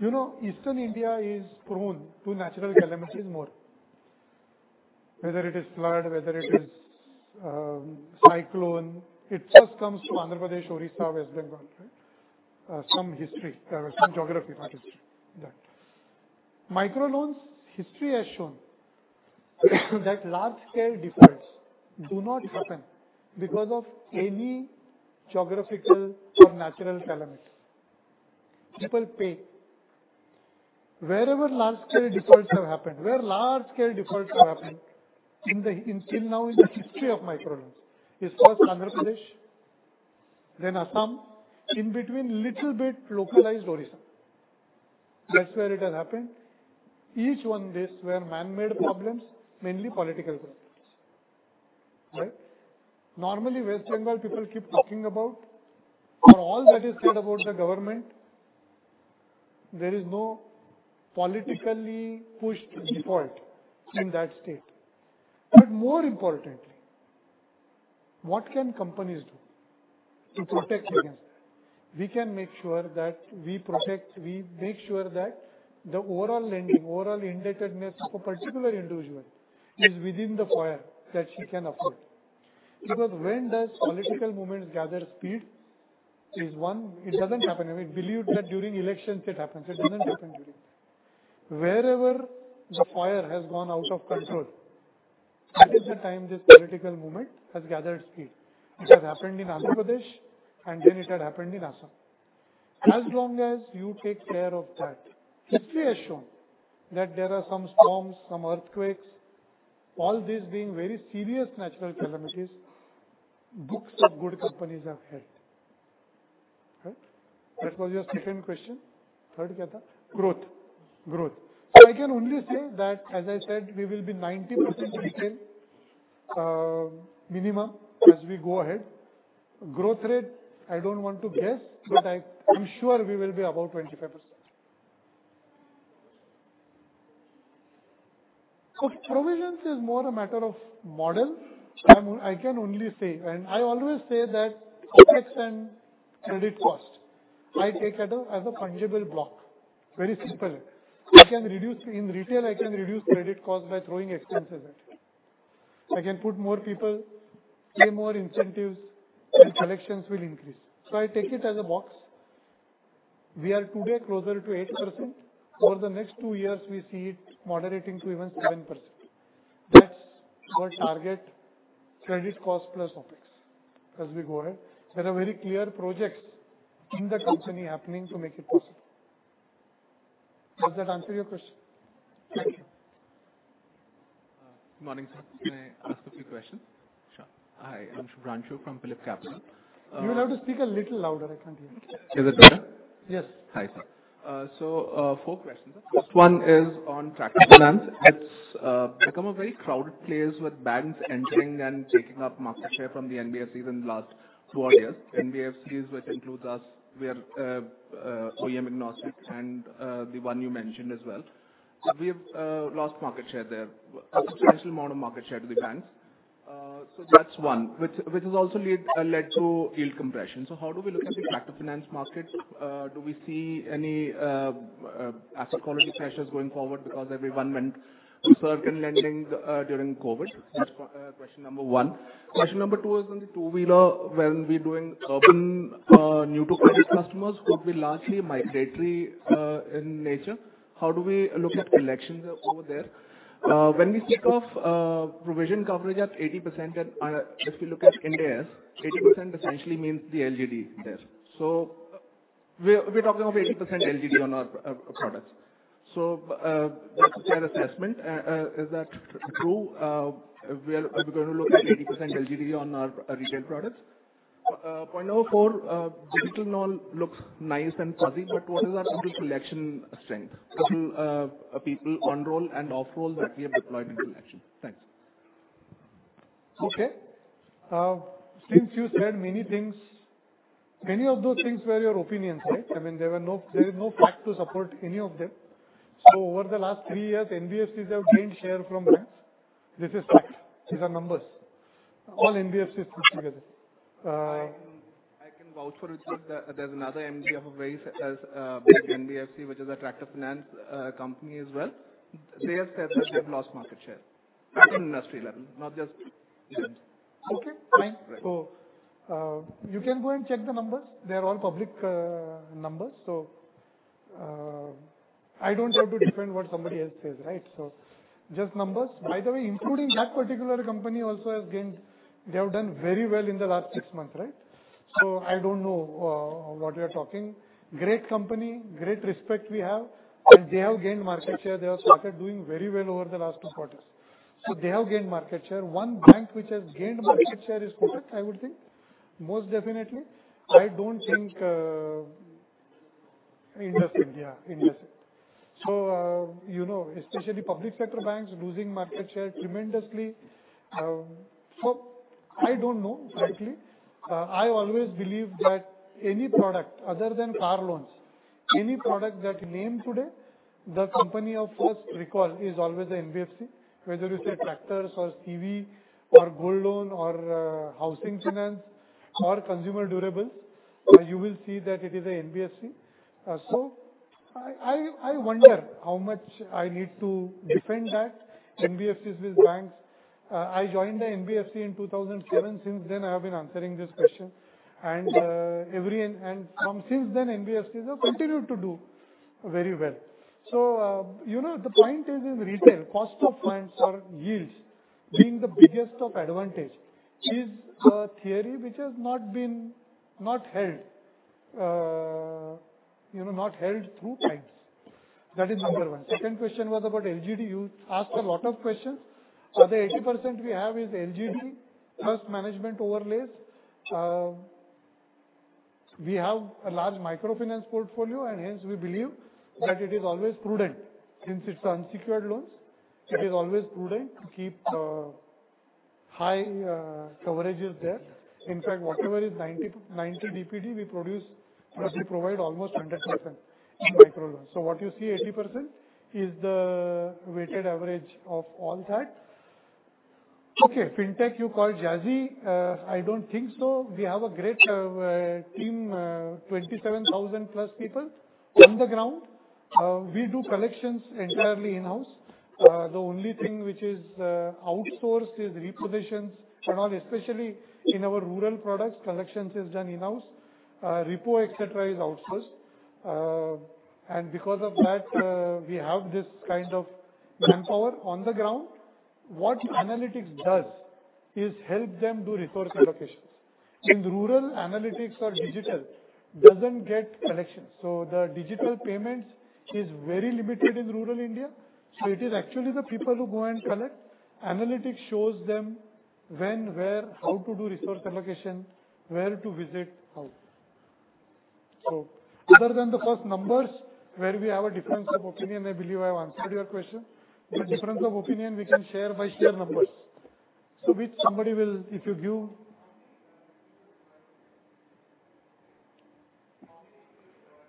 You know, eastern India is prone to natural calamities more. Whether it is flood, whether it is, cyclone, it first comes to Andhra Pradesh, Orissa, West Bengal, right. Some history, some geography that. Micro Loans history has shown that large scale defaults do not happen because of any geographical or natural calamity. People pay. Wherever large scale defaults have happened, where large scale defaults have happened in, till now in the history of Micro Loans, is first Andhra Pradesh, then Assam. In between, little bit localized Orissa. That's where it has happened. Each one this where man-made problems, mainly political problems, right. Normally West Bengal, people keep talking about. For all that is said about the government, there is no politically pushed default in that state. More importantly, what can companies do to protect against that? We can make sure that we protect. We make sure that the overall lending, overall indebtedness of a particular individual is within the fire that he can afford. When does political movements gather speed? It doesn't happen. We believed that during elections it happens. It doesn't happen during. Wherever the fire has gone out of control, that is the time this political movement has gathered speed, which has happened in Andhra Pradesh and then it had happened in Assam. As long as you take care of that, history has shown that there are some storms, some earthquakes, all these being very serious natural calamities. Books of good companies are held. Right? That was your second question. Third kya tha? Growth. Growth. I can only say that, as I said, we will be 90% retail minimum as we go ahead. Growth rate, I don't want to guess, but I'm sure we will be above 25%. Provisions is more a matter of model. I can only say, and I always say that Opex and credit cost, I take that as a fungible block. Very simple. In retail, I can reduce credit cost by throwing expenses at it. I can put more people, pay more incentives and collections will increase. I take it as a box. We are today closer to 8%. Over the next two years, we see it moderating to even 7%. That's our target. Credit cost plus OpEx as we go ahead. There are very clear projects in the company happening to make it possible. Does that answer your question? Thank you. Good morning, sir. May I ask a few questions? Sure. Hi, I'm Shubhranshu from PhillipCapital. You'll have to speak a little louder. I can't hear you. Is it better? Yes. Hi, sir. Four questions. First one is on tractor finance. It's become a very crowded place with banks entering and taking up market share from the NBFCs in the last two odd years. NBFCs, which includes us, we are OEM agnostic and the one you mentioned as well. We have lost market share there, a substantial amount of market share to the banks. That's one. Which has also led to yield compression. How do we look at the tractor finance market? Do we see any asset quality pressures going forward because everyone went to certain lending during COVID? That's question number one. Question number two is on the two-wheeler. When we're doing urban, new-to-credit customers who have been largely migratory in nature, how do we look at collections over there? When we speak of provision coverage at 80% and, if you look at NDS, 80% essentially means the LGD there. We're talking of 80% LGD on our products. What's your assessment? Is that true? Are we gonna look at 80% LGD on our retail products? Point number four, digital now looks nice and fuzzy, but what is our digital collection strength? Total people on roll and off roll that we have deployed in collection. Thanks. Okay. Since you said many things. Any of those things were your opinions, right? I mean, there is no fact to support any of them. Over the last three years, NBFCs have gained share from banks. This is fact. These are numbers. All NBFCs put together. I can vouch for it, sir. There's another MD of a very big NBFC, which is a tractor finance company as well. They have said that they've lost market share at industry level, not just Okay, fine. Right. You can go and check the numbers. They are all public numbers, so I don't have to defend what somebody else says, right? Just numbers. By the way, including that particular company also has gained. They have done very well in the last six months, right? I don't know what we are talking. Great company, great respect we have. They have gained market share. They have started doing very well over the last two quarters. They have gained market share. One bank which has gained market share is Kotak, I would think. Most definitely. I don't think IndusInd, yeah. IndusInd. You know, especially public sector banks losing market share tremendously. I don't know, frankly. I always believe that any product other than car loans, any product that you name today, the company of first recall is always an NBFC. Whether you say tractors or CV or gold loan or housing finance or consumer durables, you will see that it is an NBFC. So I wonder how much I need to defend that NBFCs with banks. I joined the NBFC in 2007. Since then, I have been answering this question. And every and from since then, NBFCs have continued to do very well. So, you know, the point is, in retail, cost of funds or yields being the biggest of advantage is a theory which has not been, not held. You know, not held through times. That is number one. Second question was about LGD. You asked a lot of questions. The 80% we have is LGD, first management overlays. Hence we believe that it is always prudent, since it's unsecured loans, it is always prudent to keep high coverages there. In fact, whatever is 90 DPD, we produce, but we provide almost 100% in micro loans. What you see, 80%, is the weighted average of all that. Okay, Fintech, you call jazzy. I don't think so. We have a great team, 27,000+ people on the ground. We do collections entirely in-house. The only thing which is outsourced is repositions and all. Especially in our rural products, collections is done in-house. repo, et cetera, is outsourced. Because of that, we have this kind of manpower on the ground. What analytics does is help them do resource allocations. In rural analytics or digital doesn't get collections. The digital payments is very limited in rural India. It is actually the people who go and collect. Analytics shows them when, where, how to do resource allocation, where to visit, how. Other than the first numbers where we have a difference of opinion, I believe I have answered your question. The difference of opinion we can share by share numbers.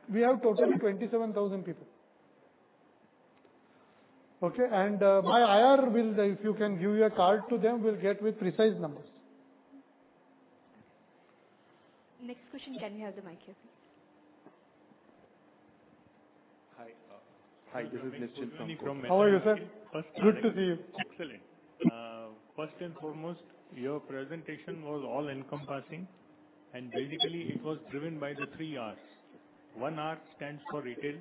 We have total of 27,000 people. Okay? My IR will, if you can give your card to them, will get with precise numbers. Next question. Can we have the mic here, please? Hi. Hi, this is Nishant from Kotak. How are you, sir? Good to see you. Excellent. First and foremost, your presentation was all encompassing and basically it was driven by the three Rs. One R stands for retail,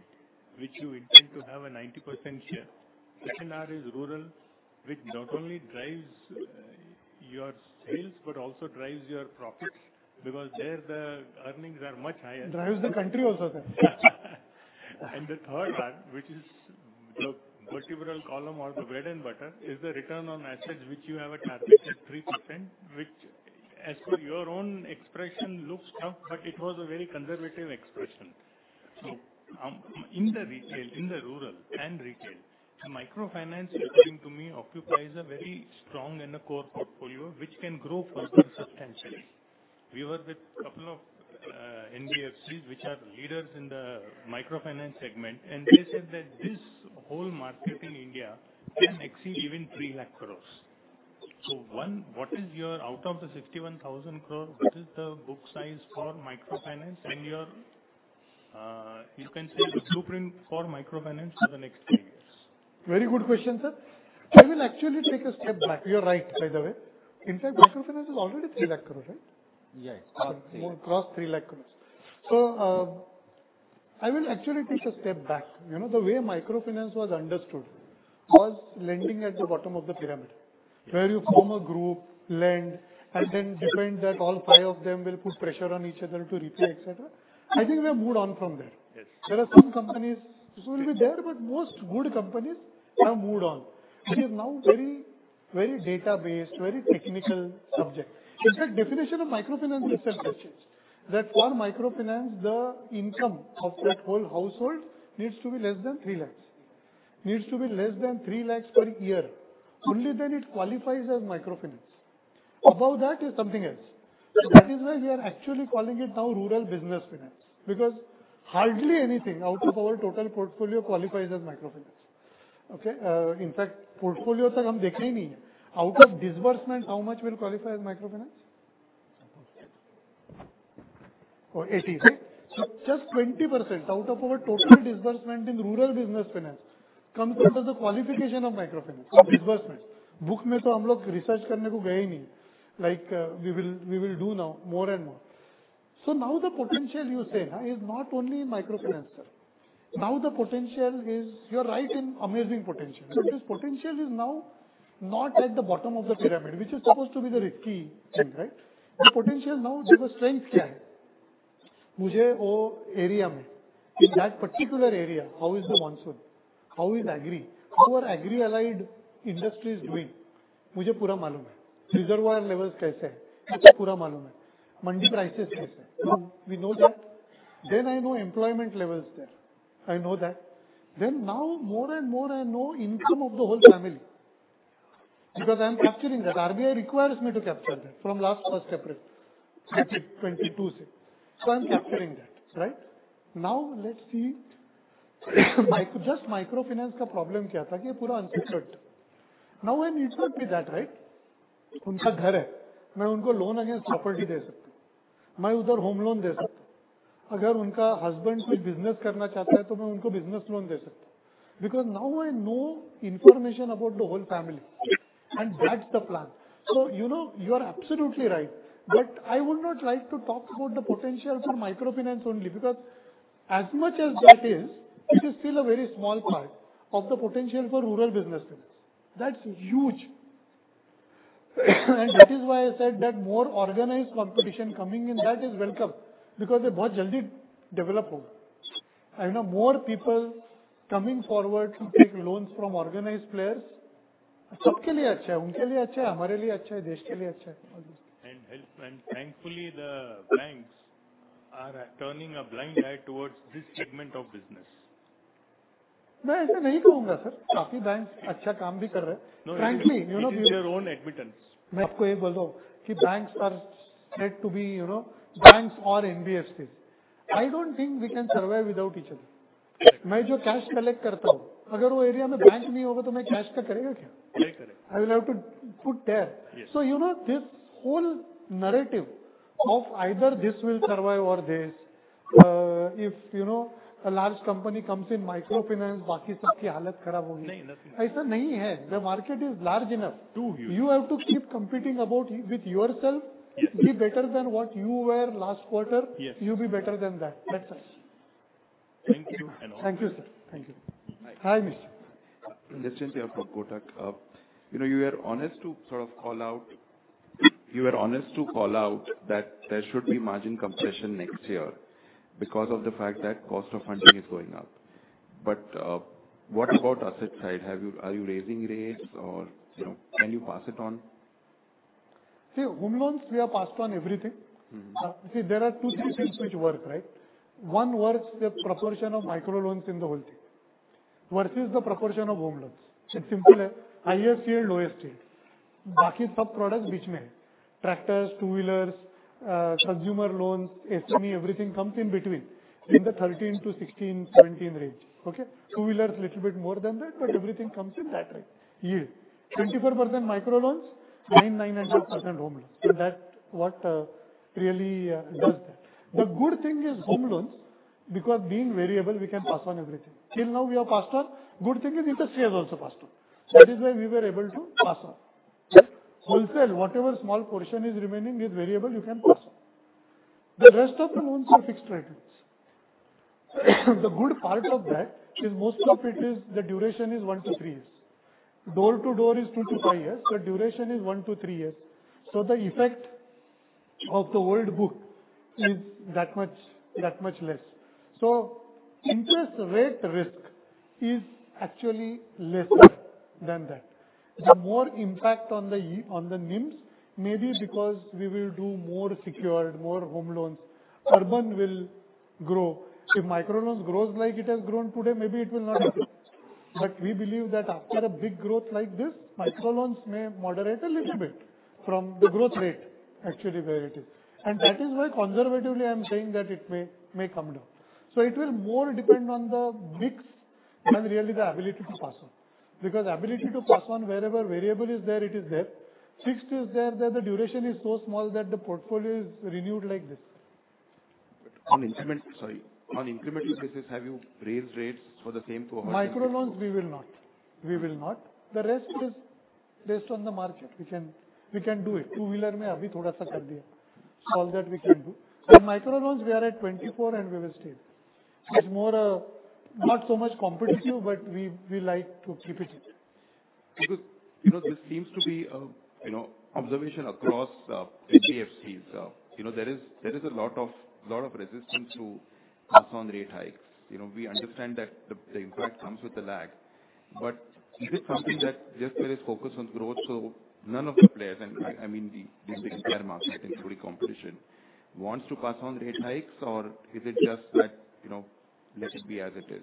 which you intend to have a 90% share. Second R is rural, which not only drives your sales, but also drives your profits because there the earnings are much higher. Drives the country also, sir. The third R, which is the vertebral column or the bread and butter, is the return on assets which you have a target at 3%, which as per your own expression looks tough, but it was a very conservative expression. In the retail, in the rural and retail, microfinance, according to me, occupies a very strong and a core portfolio which can grow further substantially. We were with couple of NBFCs which are leaders in the microfinance segment, and they said that this whole market in India can exceed even three lakh crore. One, what is your out of the 61,000 crore, what is the book size for microfinance and your, you can say, blueprint for microfinance for the next three years? Very good question, sir. I will actually take a step back. You're right, by the way. In fact, microfinance is already 3 lakh crore, right? Yes. More, cross 3 lakh crore. I will actually take a step back. You know, the way microfinance was understood was lending at the bottom of the pyramid, where you form a group, lend, and then depend that all five of them will put pressure on each other to repay, et cetera. I think we have moved on from there. Yes. There are some companies which will be there, but most good companies have moved on. It is now very, very data-based, very technical subject. Definition of microfinance itself has changed. For microfinance, the income of that whole household needs to be less than 3 lakhs per year. Only then it qualifies as microfinance. Above that is something else. Right. That is why we are actually calling it now rural business finance, because hardly anything out of our total portfolio qualifies as microfinance. Okay. In fact, portfolio tak hum dekhe hi nahi hai. Out of disbursement, how much will qualify as microfinance? 80, right. Just 20% out of our total disbursement in rural business finance comes under the qualification of microfinance disbursement. Book main to hum log research karne ko gaye hi nahi. Like, we will do now more and more. Now the potential you say na is not only in microfinance, sir. Now the potential is... You're right in amazing potential. Yes. This potential is now not at the bottom of the pyramid, which is supposed to be the risky thing, right? Yes. The potential now, jiska strength kya hai. Mujhe woh area main. In that particular area, how is the monsoon? How is agri? How are agri-allied industries doing? Mujhe pura maloom hai. Reservoir levels kaise hai? Mujhe pura maloom hai. Mandi prices kaise hai? We know that. I know employment levels there. I know that. Now more and more I know income of the whole family because I'm capturing that. RBI requires me to capture that from last first April, 2022 se. I'm capturing that, right? Now let's see. Just microfinance ka problem kya tha ki yeh pura unsecured tha. Now I need not be that, right. Unka ghar hai. Main unko loan against property de sakta hun. Main udhar home loan de sakta hun. Agar unka husband koi business karna chahta hai to main unko business loan de sakta hun. Now I know information about the whole family, and that's the plan. You know, you are absolutely right. I would not like to talk about the potential for microfinance only because as much as that is, it is still a very small part of the potential for rural business finance. That's huge. That is why I said that more organized competition coming in that is welcome because yeh bahut jaldi develop hoga. I know more people coming forward to take loans from organized players. Sab ke liye achcha hai. Unke liye achcha hai, humare liye achcha hai, desh ke liye achcha hai. Help and thankfully, the banks are turning a blind eye towards this segment of business. Main aisa nahi kahunga, sir. Kaafi banks achcha kaam bhi kar rahe hai. Frankly, you know. It is your own admittance. Main aapko yeh bolta hun ki banks are said to be, you know, banks or NBFCs. I don't think we can survive without each other. Main jo cash collect karta hun, agar woh area main bank nahi hoga to main cash ka karega kya? Correct. I will have to put there. Yes. You know, this whole narrative of either this will survive or this, if, you know, a large company comes in microfinance, baaki sabki halat kharab hogi. Nahi, nothing. Aisa nahi hai. The market is large enough. Too huge. You have to keep competing about with yourself. Be better than what you were last quarter. Yes. You be better than that. That's us. Thank you and all the best. Thank you, sir. Thank you. Hi. Hi, Vish. Vish Jaiswal from Kotak. You know, you were honest to call out that there should be margin compression next year because of the fact that cost of funding is going up. What about asset side? Are you raising rates or, you know, can you pass it on? See Home Loans, we have passed on everything. Mm-hmm. See, there are two, three things which work, right? One works, the proportion of Micro Loans in the whole thing versus the proportion of Home Loans. It's simple as highest yield, lowest yield. Baaki sab products beech main. Tractors, two-wheelers, consumer loans, SME, everything comes in between in the 13%-16%, 17% range. Okay. Two-wheelers little bit more than that, but everything comes in that range. Yield. 24% Micro Loans, 9%, 9.5% Home Loans. That what really does that. The good thing is Home Loans because being variable we can pass on everything. Till now we have passed on. Good thing is interest rate has also passed on. This is why we were able to pass on. Wholesale, whatever small portion is remaining is variable, you can pass on. The rest of the loans are fixed rate loans. The good part of that is most of it is the duration is one to three years. Door to door is two to five years, duration is one to three years. The effect of the old book is that much less. Interest rate risk is actually lesser than that. The more impact on the NIMs may be because we will do more secured, more Home Loans. Urban will grow. If Micro Loans grows like it has grown today, maybe it will not increase. We believe that after a big growth like this, Micro Loans may moderate a little bit from the growth rate actually where it is. That is why conservatively, I'm saying that it may come down. It will more depend on the mix than really the ability to pass on, because ability to pass on wherever variable is there, it is there. Fixed is there the duration is so small that the portfolio is renewed like this. Sorry. On incremental basis, have you raised rates for the same to-? Micro Loans, we will not. We will not. The rest is based on the market. We can do it. Two-wheeler main abhi thoda sa kar diya. All that we can do. Micro Loans we are at 24 and we will stay. It's more, not so much competitive, but we like to keep it. Because, you know, this seems to be a, you know, observation across HDFCs. You know, there is a lot of resistance to pass on rate hikes. You know, we understand that the impact comes with a lag. Is it something that just where is focus on growth, none of the players and I mean the entire market including competition wants to pass on rate hikes or is it just that, you know, let it be as it is?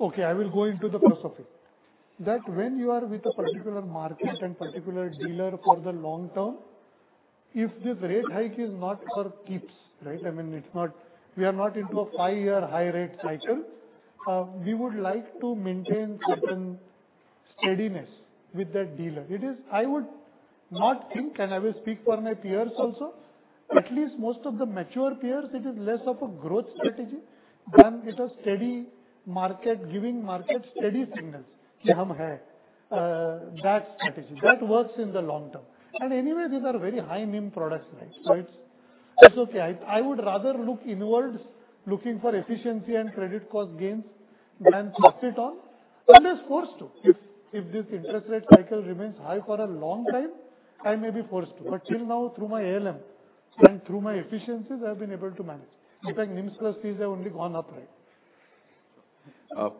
Okay, I will go into the philosophy. That when you are with a particular market and particular dealer for the long-term, if this rate hike is not for keeps, right? I mean, it's not. We are not into a five-year high rate cycle. We would like to maintain certain steadiness with that dealer. It is I would not think, and I will speak for my peers also, at least most of the mature peers, it is less of a growth strategy than it's a steady market, giving market steady signals. Yeah. That strategy. That works in the long-term. Anyway, these are very high NIM products, right? It's okay. I would rather look inwards, looking for efficiency and credit cost gains than pass it on, unless forced to. If this interest rate cycle remains high for a long time, I may be forced to. Till now, through my ALM and through my efficiencies, I've been able to manage. In fact, NIMs plus fees have only gone up, right?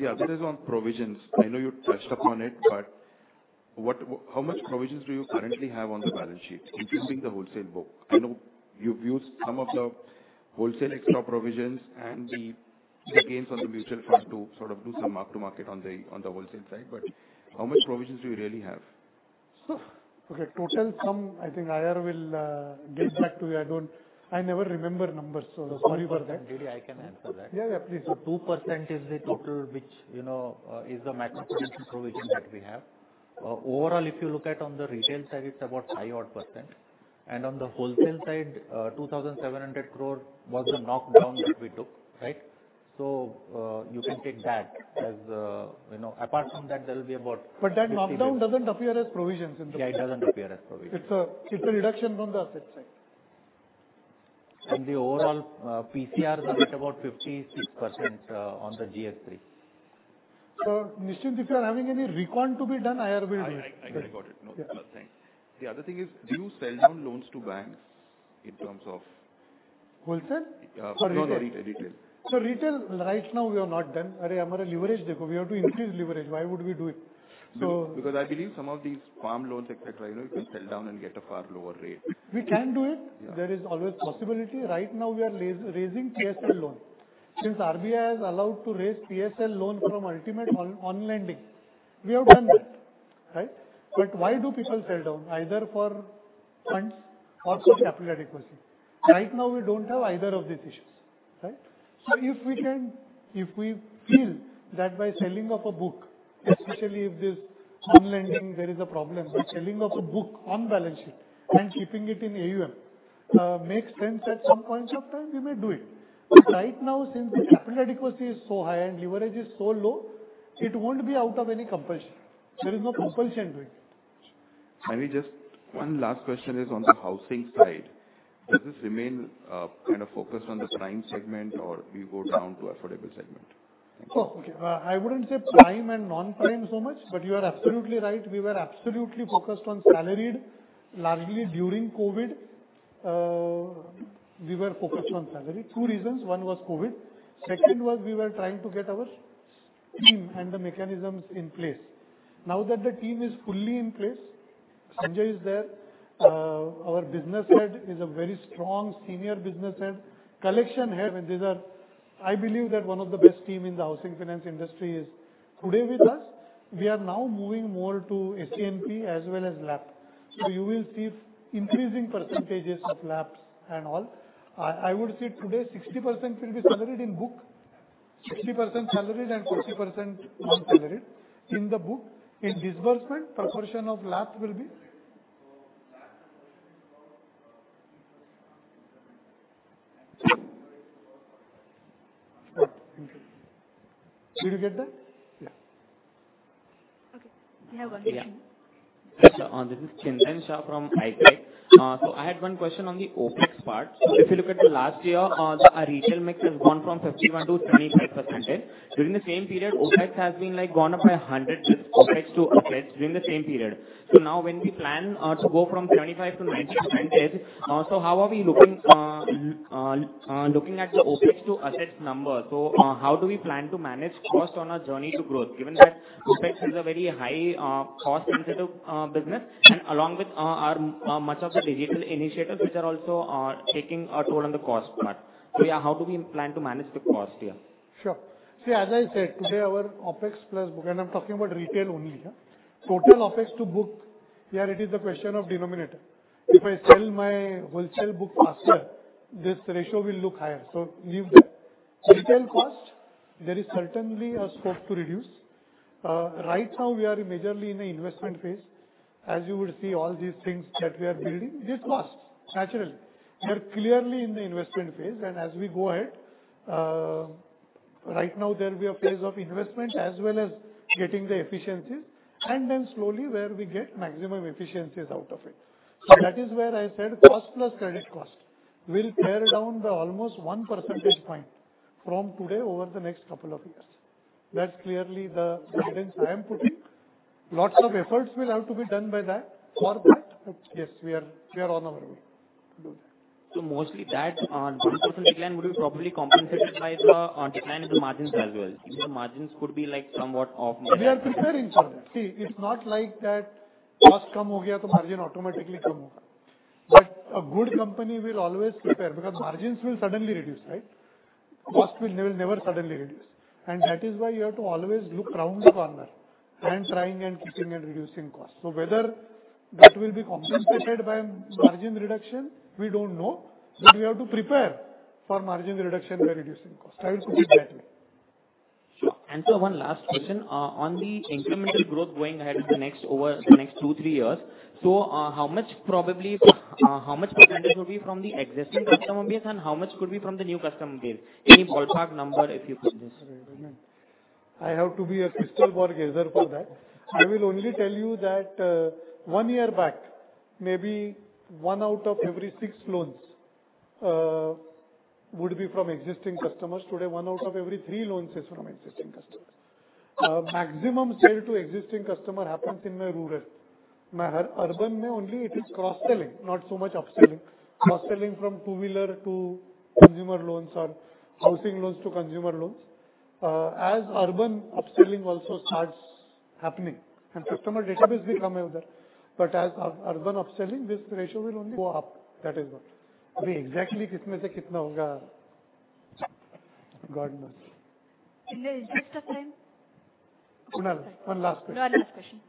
Yeah. This is on provisions. I know you touched upon it, but how much provisions do you currently have on the balance sheet, if you think the wholesale book? I know you've used some of the wholesale extra provisions and the gains on the mutual fund to sort of do some mark to market on the wholesale side. How much provisions do you really have? Okay. Total sum, I think IR will get back to you. I don't, I never remember numbers. Sorry for that. Really, I can answer that. Yeah, yeah. Please. Two percent is the total which, you know, is the maximum provision that we have. Overall, if you look at on the retail side, it's about five odd percent. On the wholesale side, 2,700 crore was the knockdown that we took, right? You can take that as, you know. Apart from that, there will be about That knockdown doesn't appear as provisions. Yeah, it doesn't appear as provision. It's a reduction on the asset side. The overall PCR is at about 56% on the GX3. Nischint, if you're having any re-quant to be done, IR will do it. I got it. No, thanks. The other thing is, do you sell down loans to banks in terms of- Wholesale? No, no. Retail. Retail, right now we have not done. Our leverage, we have to increase leverage. Why would we do it? I believe some of these farm loans, et cetera, you know, you can sell down and get a far lower rate. We can do it. Yeah. There is always possibility. Right now we are raising PSL loan. Since RBI has allowed to raise PSL loan from ultimate on lending, we have done that, right? Why do people sell down? Either for funds or for capital adequacy. Right now we don't have either of these issues, right? If we can, if we feel that by selling of a book, especially if there's on lending, there is a problem. By selling of a book on balance sheet and keeping it in AUM makes sense at some points of time, we may do it. Right now, since the capital adequacy is so high and leverage is so low, it won't be out of any compulsion. There is no compulsion to it. One last question is on the housing side. Does this remain, kind of focused on the prime segment, or do you go down to affordable segment? Thank you. Oh, okay. I wouldn't say prime and non-prime so much, but you are absolutely right. We were absolutely focused on salaried, largely during COVID. We were focused on salaried. two reasons. one was COVID. second was, we were trying to get our team and the mechanisms in place. Now that the team is fully in place, Sanjay is there. Our business head is a very strong senior business head. Collection head, and these are, I believe, that one of the best team in the housing finance industry is today with us. We are now moving more to HL as well as LAP. You will see increasing percentages of LAPs and all. I would say today 60% will be salaried in book. 60% salaried and 40% non-salaried in the book. In disbursement, proportion of LAP will be? LAP disbursement is around 30% of disbursement. salaried is more than- Did you get that? Yeah. Okay. We have one question. Yeah. This is Chintan Shah from PICO Capital. I had one question on the OpEx part. If you look at the last year, our retail mix has gone from 51% to 25%. During the same period, OpEx has been like gone up by 100 with OpEx to assets during the same period. Now when we plan to go from 25% to 19%, how are we looking at the OpEx to assets number? How do we plan to manage cost on our journey to growth, given that OpEx is a very high cost-sensitive business and along with our much of the digital initiatives which are also taking a toll on the cost part? How do we plan to manage the cost here? Sure. See, as I said, today, our OpEx plus book, and I'm talking about retail only, yeah. Total OpEx to book, here it is the question of denominator. If I sell my wholesale book faster, this ratio will look higher. Leave that. Digital cost, there is certainly a scope to reduce. Right now we are majorly in a investment phase. As you would see all these things that we are building, this costs, naturally. We are clearly in the investment phase and as we go ahead, right now there will be a phase of investment as well as getting the efficiencies and then slowly where we get maximum efficiencies out of it. That is where I said cost plus credit cost will pare down by almost one percentage point from today over the next couple of years. That's clearly the guidance I am putting. Lots of efforts will have to be done by that. For that, yes, we are on our way. Doing that. Mostly that, 1% decline would be probably compensated by the decline in the margins as well. The margins could be like somewhat off. We are preparing for that. See, it's not like that cost Sure. Sir, one last question. On the incremental growth going ahead over the next two, three years. How much probably, how much % would be from the existing customer base and how much could be from the new customer base? Any ballpark number, if you could? I have to be a crystal ball gazer for that. I will only tell you that, one year back, maybe one out of every six loans would be from existing customers. Today, one out of every three loans is from existing customers. Maximum sale to existing customer happens in my rural. My urban only it is cross-selling, not so much upselling. Cross-selling from two-wheeler to Consumer Loans or housing loans to Consumer Loans. As urban upselling also starts happening and customer database become bigger. As urban upselling, this ratio will only go up. That is what. I mean, exactly. In the interest of time. One last question.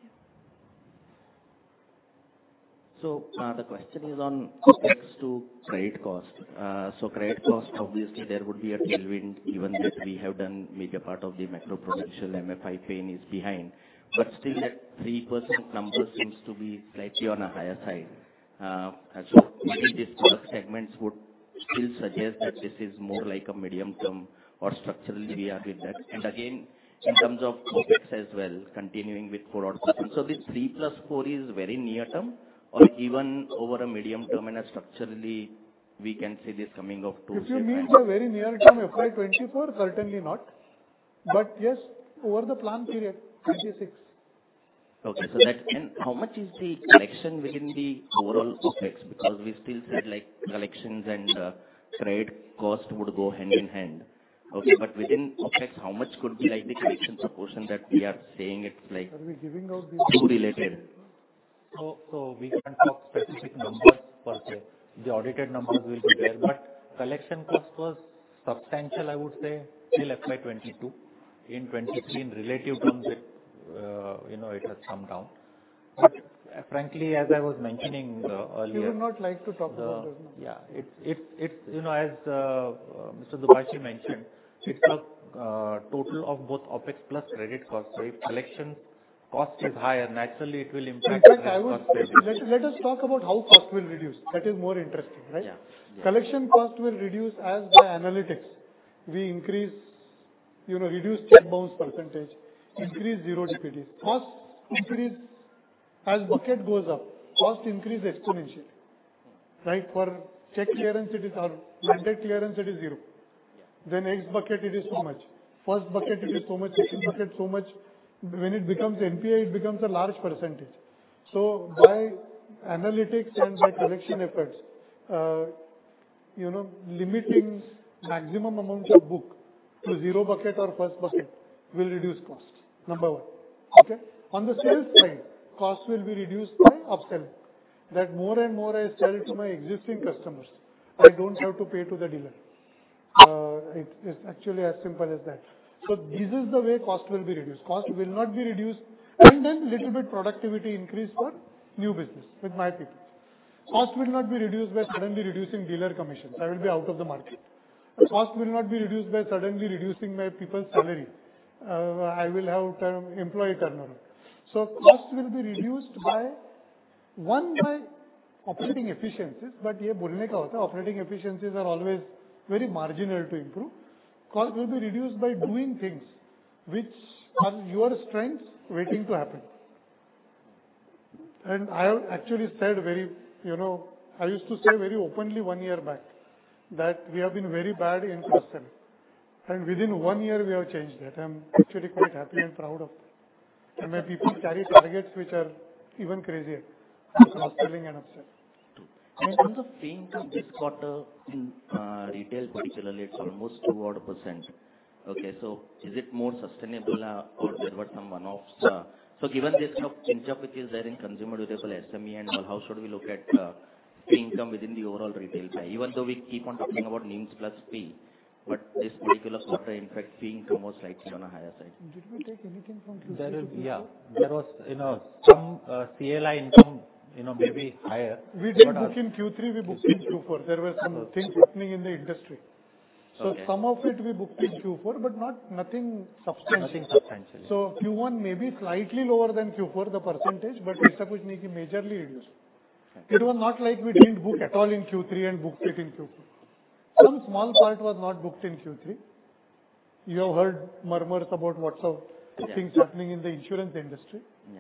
Yeah. The question is on OpEx to credit cost. Credit cost, obviously there would be a tailwind even if we have done major part of the macro prudential MFI pain is behind. Still that 3% number seems to be slightly on a higher side. Maybe these product segments would still suggest that this is more like a medium-term or structurally we are with that. Again, in terms of OpEx as well, continuing with four odd percent. This three plus four is very near-term or even over a medium-term and structurally we can see this coming of to- If you mean the very near-term FY 2024, certainly not. Yes, over the plan period, 2026. How much is the collection within the overall OpEx? We still said like collections and credit cost would go hand in hand. Within OpEx, how much could be like the collection proportion that we are saying. Are we giving out the-? too related. We can't talk specific numbers per se. The audited numbers will be there, collection cost was substantial, I would say, till FY 22. In 23 in relative terms it, you know, it has come down. Frankly, as I was mentioning, earlier. He would not like to talk about those numbers. Yeah. It's, you know, as Mr. Dubhashi mentioned, it's a total of both OpEx plus credit cost. If collection cost is higher, naturally it will impact credit cost. I would say let us talk about how cost will reduce. That is more interesting, right? Yeah. Collection cost will reduce as by analytics. We increase, you know, reduce check bounce percentage, increase 0 DPDs. Cost increase as bucket goes up, cost increase exponentially, right? For check clearance it is or mandate clearance, it is zero. Yeah. X bucket, it is so much. First bucket, it is so much. Second bucket, so much. When it becomes NPA, it becomes a large percentage. By analytics and by collection efforts, you know, limiting maximum amount of book to zero bucket or first bucket will reduce costs. Number one. Okay? On the sales side, costs will be reduced by upselling. That more and more I sell to my existing customers, I don't have to pay to the dealer. It's actually as simple as that. This is the way cost will be reduced. Cost will not be reduced. Then little bit productivity increase for new business with my people. Cost will not be reduced by suddenly reducing dealer commission. I will be out of the market. Cost will not be reduced by suddenly reducing my people's salary. I will have employee turnover. Cost will be reduced by, one, by operating efficiencies. In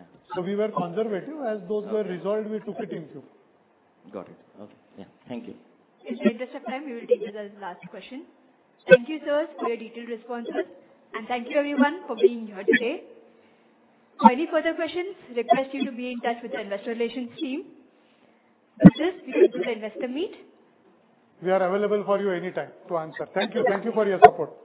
the interest of time, we will take this as last question. Thank you, sirs, for your detailed responses. Thank you everyone for being here today. For any further questions, request you to be in touch with the investor relations team. This concludes the investor meet. We are available for you anytime to answer. Thank you. Thank you for your support.